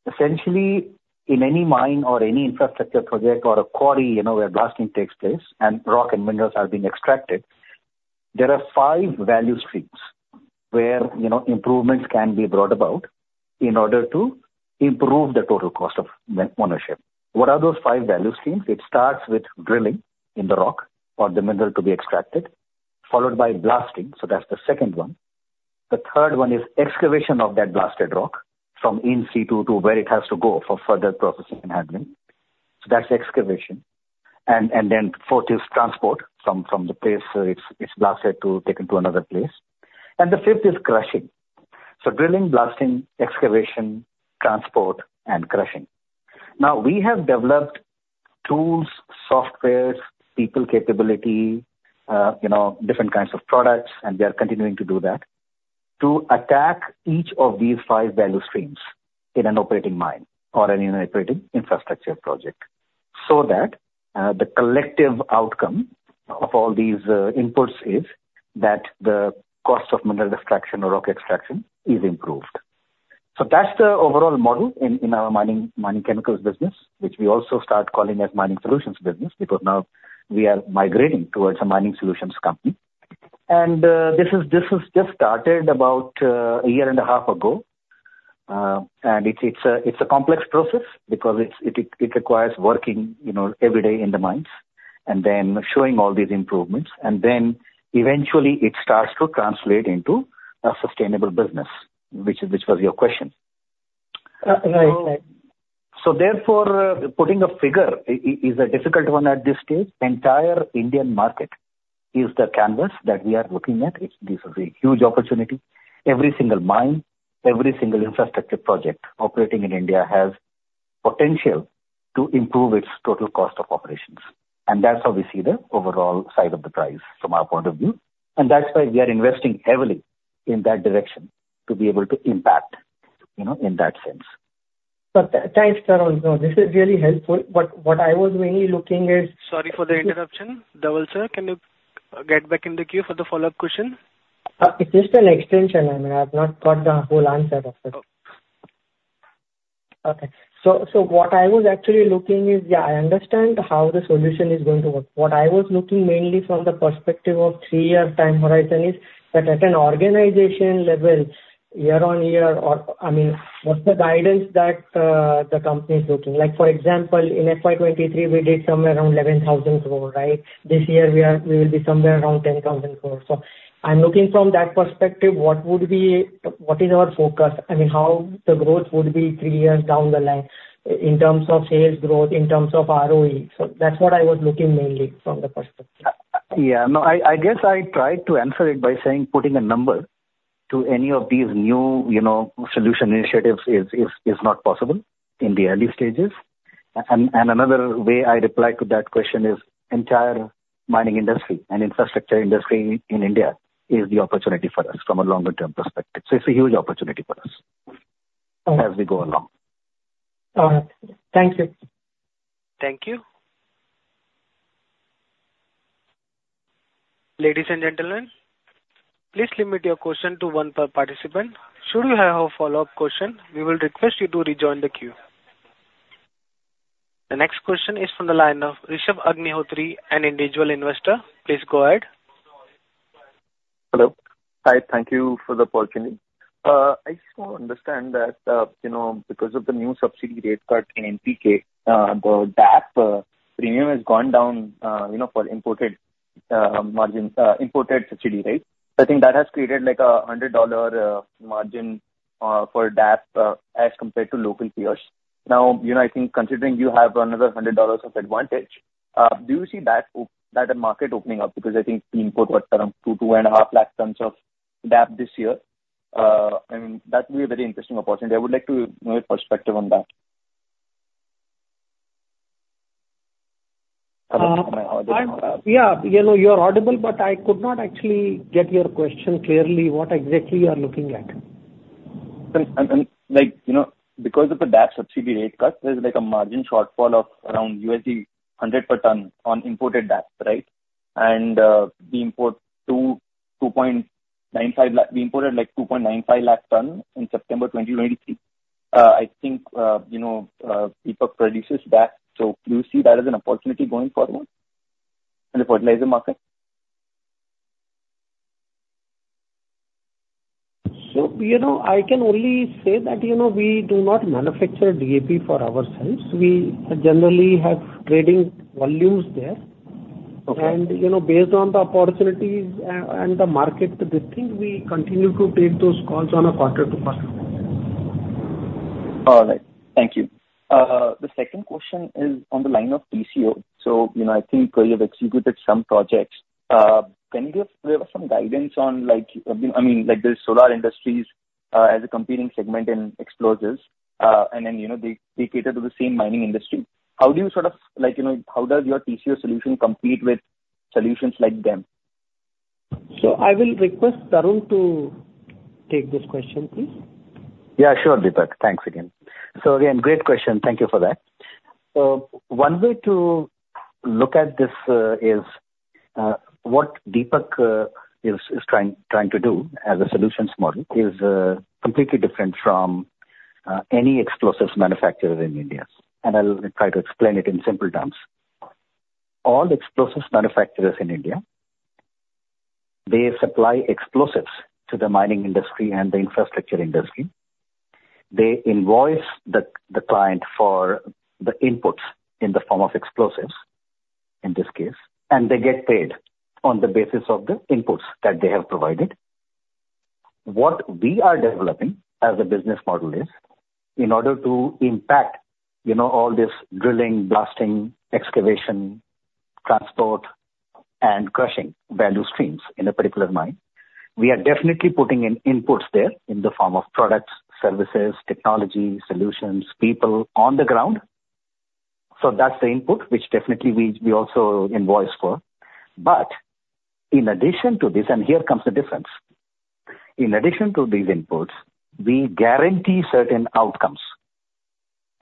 Essentially, in any mine or any infrastructure project or a quarry, you know, where blasting takes place and rock and minerals are being extracted, there are five value streams where, you know, improvements can be brought about in order to improve the total cost of mine-ownership. What are those five value streams? It starts with drilling in the rock or the mineral to be extracted, followed by blasting, so that's the second one. The third one is excavation of that blasted rock from in situ to where it has to go for further processing and handling. So that's excavation. And then fourth is transport, from the place, it's blasted to taken to another place. And the fifth is crushing. So drilling, blasting, excavation, transport, and crushing. Now, we have developed tools, software, people capability, you know, different kinds of products, and we are continuing to do that, to attack each of these five value streams in an operating mine or in an operating infrastructure project. So that, the collective outcome of all these, inputs is that the cost of mineral extraction or rock extraction is improved. So that's the overall model in our mining chemicals business, which we also start calling as mining solutions business, because now we are migrating towards a mining solutions company. And, this is just started about, a year and a half ago. And it's a complex process because it requires working, you know, every day in the mines, and then showing all these improvements, and then eventually it starts to translate into a sustainable business, which was your question. Uh, right. Therefore, putting a figure is a difficult one at this stage. Entire Indian market is the canvas that we are looking at. This is a huge opportunity. Every single mine, every single infrastructure project operating in India, has potential to improve its total cost of operations, and that's how we see the overall size of the prize from our point of view. That's why we are investing heavily in that direction to be able to impact, you know, in that sense. But thanks, Tarun. No, this is really helpful, but what I was mainly looking at- Sorry for the interruption. Dhaval sir, can you get back in the queue for the follow-up question? It's just an extension. I mean, I've not got the whole answer of it. Okay. Okay. So what I was actually looking is... Yeah, I understand how the solution is going to work. What I was looking mainly from the perspective of three-year time horizon is, that at an organization level, year on year, or I mean, what's the guidance that the company is looking? Like, for example, in FY 2023, we did somewhere around 11,000 crore, right? This year, we will be somewhere around 10,000 crore. So I'm looking from that perspective, what would be what is our focus? I mean, how the growth would be three years down the line in terms of sales growth, in terms of ROE? So that's what I was looking mainly from the perspective. Yeah, no, I guess I tried to answer it by saying, putting a number to any of these new, you know, solution initiatives is not possible in the early stages. And another way I'd reply to that question is, entire mining industry and infrastructure industry in India is the opportunity for us from a longer term perspective. So it's a huge opportunity for us- All right. As we go along. All right. Thank you. Thank you. Ladies and gentlemen, please limit your question to one per participant. Should you have a follow-up question, we will request you to rejoin the queue. The next question is from the line of Rishabh Agnihotri, an individual investor. Please go ahead. Hello. Hi, thank you for the opportunity. I just want to understand that, you know, because of the new subsidy rate cut in NPK, the DAP premium has gone down, you know, for imported margin, imported subsidy, right? I think that has created, like, a $100 margin for DAP as compared to local peers. Now, you know, I think considering you have another $100 of advantage, do you see that market opening up? Because I think the imports are around 2-2.5 lakh tons of DAP this year. And that will be a very interesting opportunity. I would like to know your perspective on that. Yeah. You know, you are audible, but I could not actually get your question clearly, what exactly you are looking at? And like, you know, because of the DAP subsidy rate cut, there's like a margin shortfall of around $100 per ton on imported DAP, right? And we import two point nine five lakh... We imported like 2.95 lakh tons in September 2023. I think you know Deepak produces DAP. So do you see that as an opportunity going forward in the fertilizer market? You know, I can only say that, you know, we do not manufacture DAP for ourselves. We generally have trading volumes there. Okay. You know, based on the opportunities and the market, the thing, we continue to take those calls on a quarter to quarter. All right. Thank you. The second question is on the line of TCO. So, you know, I think, you've executed some projects. Can you give us some guidance on, like, I mean, like, the Solar Industries, as a competing segment in explosives, and then, you know, they, they cater to the same mining industry. How do you sort of like, you know, how does your TCO solution compete with solutions like them? So I will request Tarun to take this question, please. Yeah, sure, Deepak. Thanks again. So again, great question. Thank you for that. So one way to look at this is what Deepak is trying to do as a solutions model is completely different from any explosives manufacturer in India. And I'll try to explain it in simple terms. All explosives manufacturers in India, they supply explosives to the mining industry and the infrastructure industry. They invoice the client for the inputs in the form of explosives, in this case, and they get paid on the basis of the inputs that they have provided. What we are developing as a business model is, in order to impact, you know, all this drilling, blasting, excavation, transport and crushing value streams in a particular mine, we are definitely putting in inputs there in the form of products, services, technology, solutions, people on the ground. So that's the input, which definitely we, we also invoice for. But in addition to this, and here comes the difference: in addition to these inputs, we guarantee certain outcomes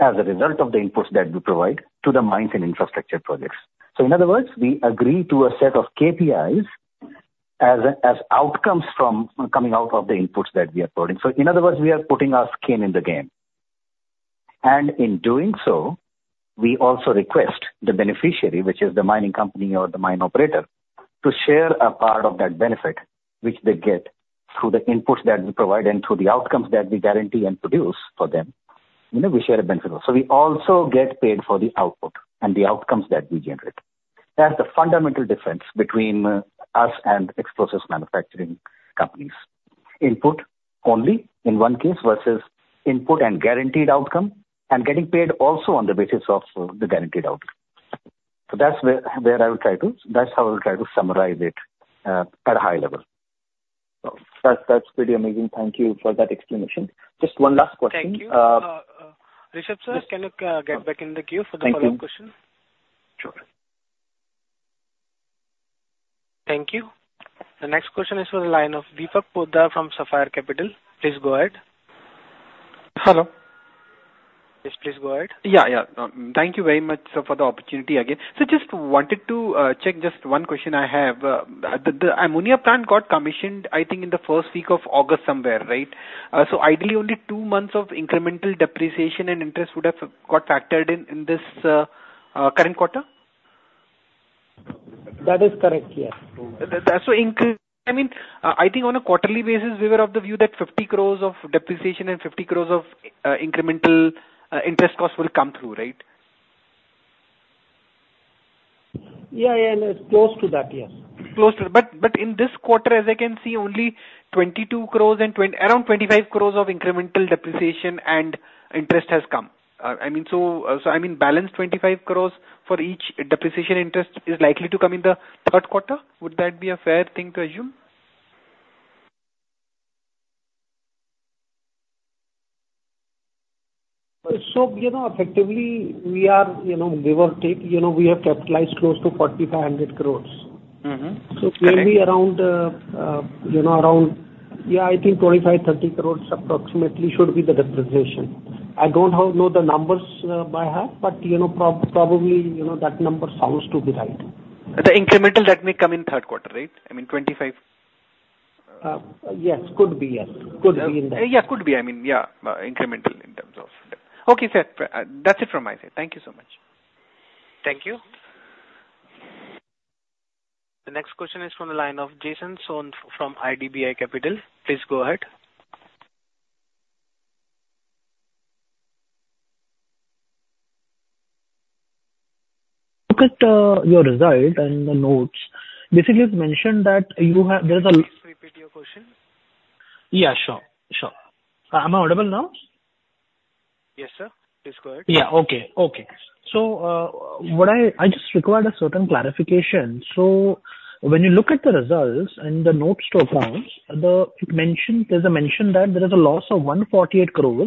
as a result of the inputs that we provide to the mines and infrastructure projects. So in other words, we agree to a set of KPIs as, as outcomes from coming out of the inputs that we are putting. So in other words, we are putting our skin in the game. In doing so, we also request the beneficiary, which is the mining company or the mine operator, to share a part of that benefit, which they get through the inputs that we provide and through the outcomes that we guarantee and produce for them. You know, we share the benefit. So we also get paid for the output and the outcomes that we generate. That's the fundamental difference between us and explosives manufacturing companies. Input only in one case versus input and guaranteed outcome, and getting paid also on the basis of the guaranteed outcome. So that's where I will try to... That's how I will try to summarize it at a high level. So that's, that's pretty amazing. Thank you for that explanation. Just one last question- Thank you. Rishabh sir, can you get back in the queue for the follow-up question? Thank you. Sure. Thank you. The next question is from the line of Deepak Poddar from Sapphire Capital. Please go ahead. Hello. Yes, please go ahead. Yeah, yeah. Thank you very much, sir, for the opportunity again. So just wanted to check just one question I have. The ammonia plant got commissioned, I think, in the first week of August somewhere, right? So ideally, only two months of incremental depreciation and interest would have got factored in, in this current quarter? That is correct, yes. I mean, I think on a quarterly basis, we were of the view that 50 crore of depreciation and 50 crore of incremental interest costs will come through, right? Yeah, yeah. Close to that, yes. Close to, but in this quarter, as I can see, only 22 crore and around 25 crore of incremental depreciation and interest has come. I mean, so, balance 25 crore for each depreciation interest is likely to come in the third quarter. Would that be a fair thing to assume? So, you know, effectively, we are, you know, we have capitalized close to 4,500 crore. Mm-hmm. So it may be around, you know, around, yeah, I think 25-30 crore approximately should be the depreciation. I don't know the numbers by heart, but, you know, probably, you know, that number sounds to be right. The incremental that may come in third quarter, right? I mean, 25. Yes. Could be, yes. Could be in that. Yeah, could be, I mean, yeah, incremental in terms of... Okay, sir. That's it from my side. Thank you so much. Thank you. The next question is from the line of Jason Soans from IDBI Capital. Please go ahead. Look at your result and the notes. Basically, it's mentioned that you have, there's a- Please repeat your question. Yeah, sure. Sure. Am I audible now? Yes, sir. Please go ahead. Yeah. Okay, okay. So, what I just required a certain clarification. So when you look at the results and the notes to accounts, it mentioned, there's a mention that there is a loss of 148 crore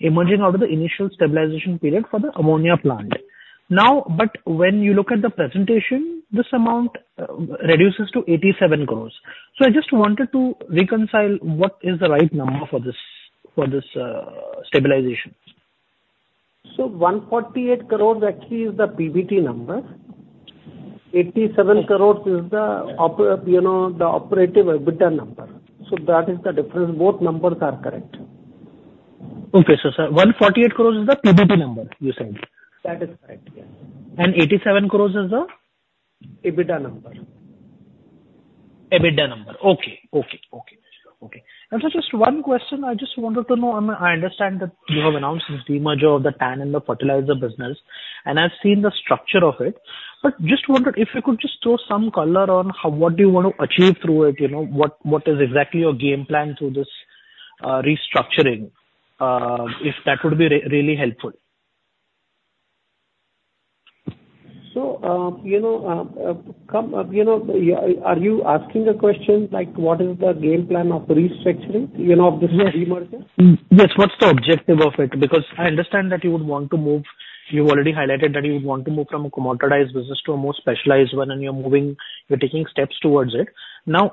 emerging out of the initial stabilization period for the ammonia plant. Now, but when you look at the presentation, this amount reduces to 87 crore. So I just wanted to reconcile what is the right number for this, for this stabilization. 148 crore actually is the PBT number. 87 crore is the, you know, the operating EBITDA number. That is the difference. Both numbers are correct. Okay. So, sir, 148 crore is the PBT number, you said? That is right, yes. 87 crore is the? EBITDA number. EBITDA number. Okay. Okay, okay, okay. So just one question I just wanted to know, I understand that you have announced the demerger of the TAN and the fertilizer business, and I've seen the structure of it, but just wondered if you could just throw some color on how, what do you want to achieve through it, you know? What, what is exactly your game plan through this restructuring? If that would be really helpful. So, you know, yeah, are you asking the question like, what is the game plan of restructuring, you know, of this- Yeah. -demerger? Mm, yes. What's the objective of it? Because I understand that you would want to move... You've already highlighted that you would want to move from a commoditized business to a more specialized one, and you're moving, you're taking steps towards it. Now,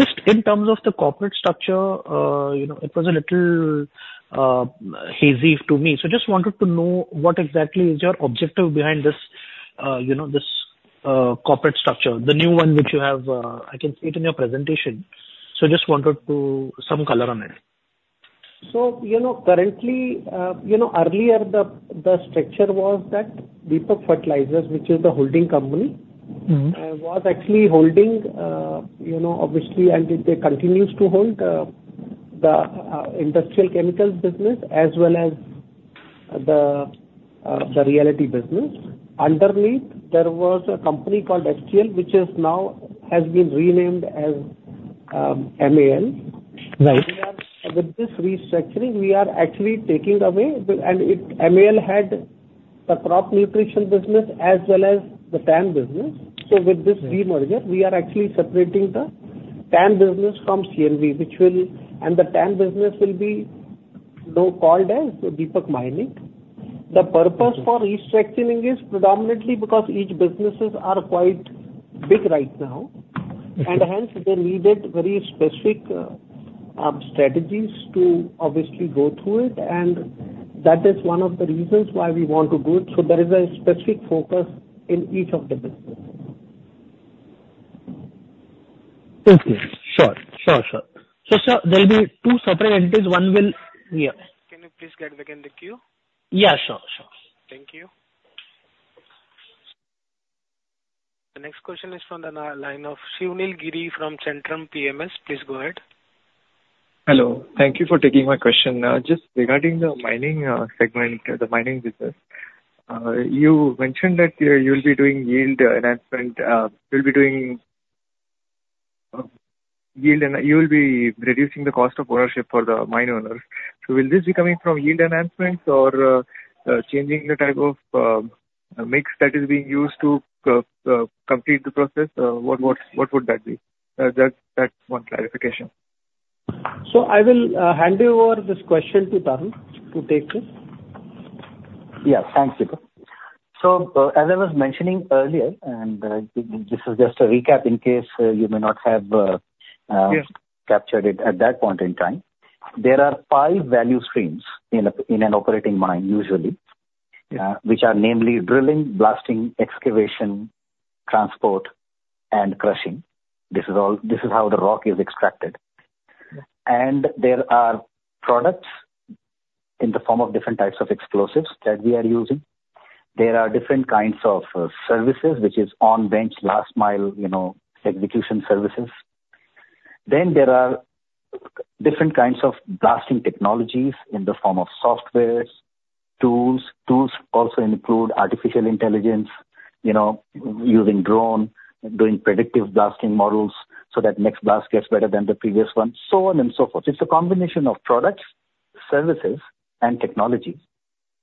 just in terms of the corporate structure, you know, it was a little hazy to me. So just wanted to know, what exactly is your objective behind this, you know, this corporate structure, the new one which you have, I can see it in your presentation. So just wanted to some color on it. So, you know, currently, you know, earlier the structure was that Deepak Fertilisers, which is the holding company- Mm-hmm. was actually holding, you know, obviously, and it, it continues to hold the industrial chemicals business as well as the realty business. Underneath, there was a company called STL, which is now, has been renamed as MAL. Right. With this restructuring, we are actually taking away. MAL had the crop nutrition business as well as the TAN business. So with this- Yeah. de-merger, we are actually separating the TAN business from CNB, which will... And the TAN business will be now called as Deepak Mining. Okay. The purpose for restructuring is predominantly because each businesses are quite big right now. Okay. And hence, they needed very specific strategies to obviously go through it, and that is one of the reasons why we want to do it. So there is a specific focus in each of the businesses. Okay. Sure. Sure, sure. So, sir, there will be two separate entities. One will, yeah. Can you please get back in the queue? Yeah, sure, sure. Thank you. The next question is from the line of Sunil Giri from Centrum PMS. Please go ahead. Hello. Thank you for taking my question. Just regarding the mining segment, the mining business, you mentioned that you'll be doing yield enhancement, yield, and you will be reducing the cost of ownership for the mine owners. So will this be coming from yield enhancements or changing the type of mix that is being used to complete the process? What would that be? That's one clarification. So I will hand you over this question to Tarun to take this. Yeah. Thanks, Deepak. So, as I was mentioning earlier, and, this is just a recap in case you may not have. Yes... captured it at that point in time. There are five value streams in an operating mine, usually. Yeah. Which are namely drilling, blasting, excavation, transport, and crushing. This is all, this is how the rock is extracted. Okay. There are products in the form of different types of explosives that we are using. There are different kinds of services, which is on bench, last mile, you know, execution services. Then there are different kinds of blasting technologies in the form of software, tools. Tools also include artificial intelligence, you know, using drone, doing predictive blasting models, so that next blast gets better than the previous one, so on and so forth. It's a combination of products, services, and technologies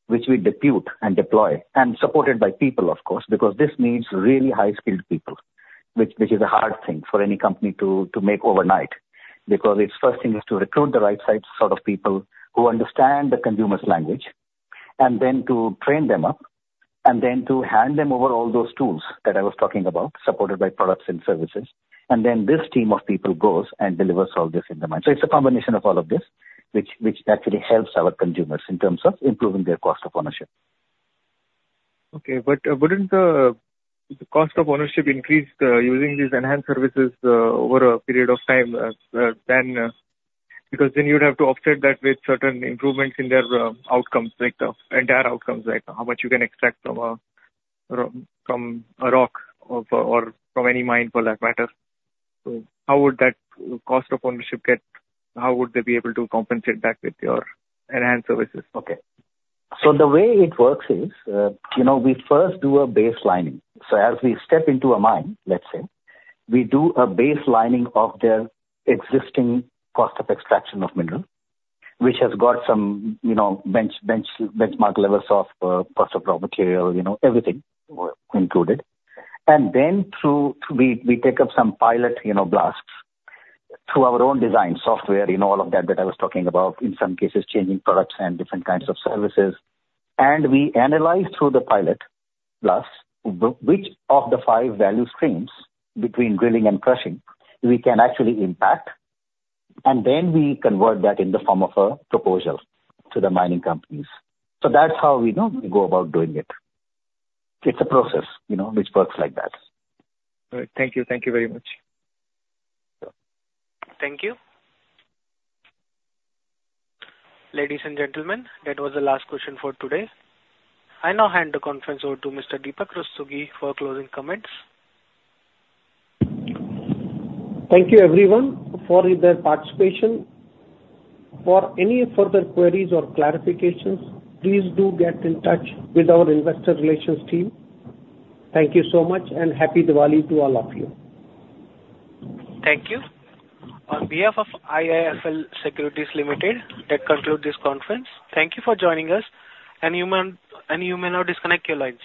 which we depute and deploy, and supported by people, of course, because this needs really high-skilled people, which is a hard thing for any company to make overnight. Because it's first thing is to recruit the right type, sort of people who understand the consumer's language, and then to train them up, and then to hand them over all those tools that I was talking about, supported by products and services. And then this team of people goes and delivers all this in the mine. So it's a combination of all of this, which actually helps our consumers in terms of improving their cost of ownership. Okay, but wouldn't the cost of ownership increase using these enhanced services over a period of time than... Because then you'd have to offset that with certain improvements in their outcomes, like the entire outcomes, like how much you can extract from a rock or from any mine for that matter. So how would that cost of ownership get, how would they be able to compensate back with your enhanced services? Okay. So the way it works is, you know, we first do a baselining. So as we step into a mine, let's say, we do a baselining of their existing cost of extraction of mineral, which has got some, you know, benchmark levels of, cost of raw material, you know, everything included. And then through, we take up some pilot, you know, blasts, through our own design software, you know, all of that that I was talking about, in some cases, changing products and different kinds of services. And we analyze through the pilot blast, which of the five value streams between drilling and crushing we can actually impact, and then we convert that in the form of a proposal to the mining companies. So that's how we, you know, go about doing it. It's a process, you know, which works like that. All right. Thank you. Thank you very much. Sure. Thank you. Ladies and gentlemen, that was the last question for today. I now hand the conference over to Mr. Deepak Rastogi for closing comments. Thank you everyone for their participation. For any further queries or clarifications, please do get in touch with our investor relations team. Thank you so much, and Happy Diwali to all of you. Thank you. On behalf of IIFL Securities Limited, that concludes this conference. Thank you for joining us, and you may now disconnect your lines.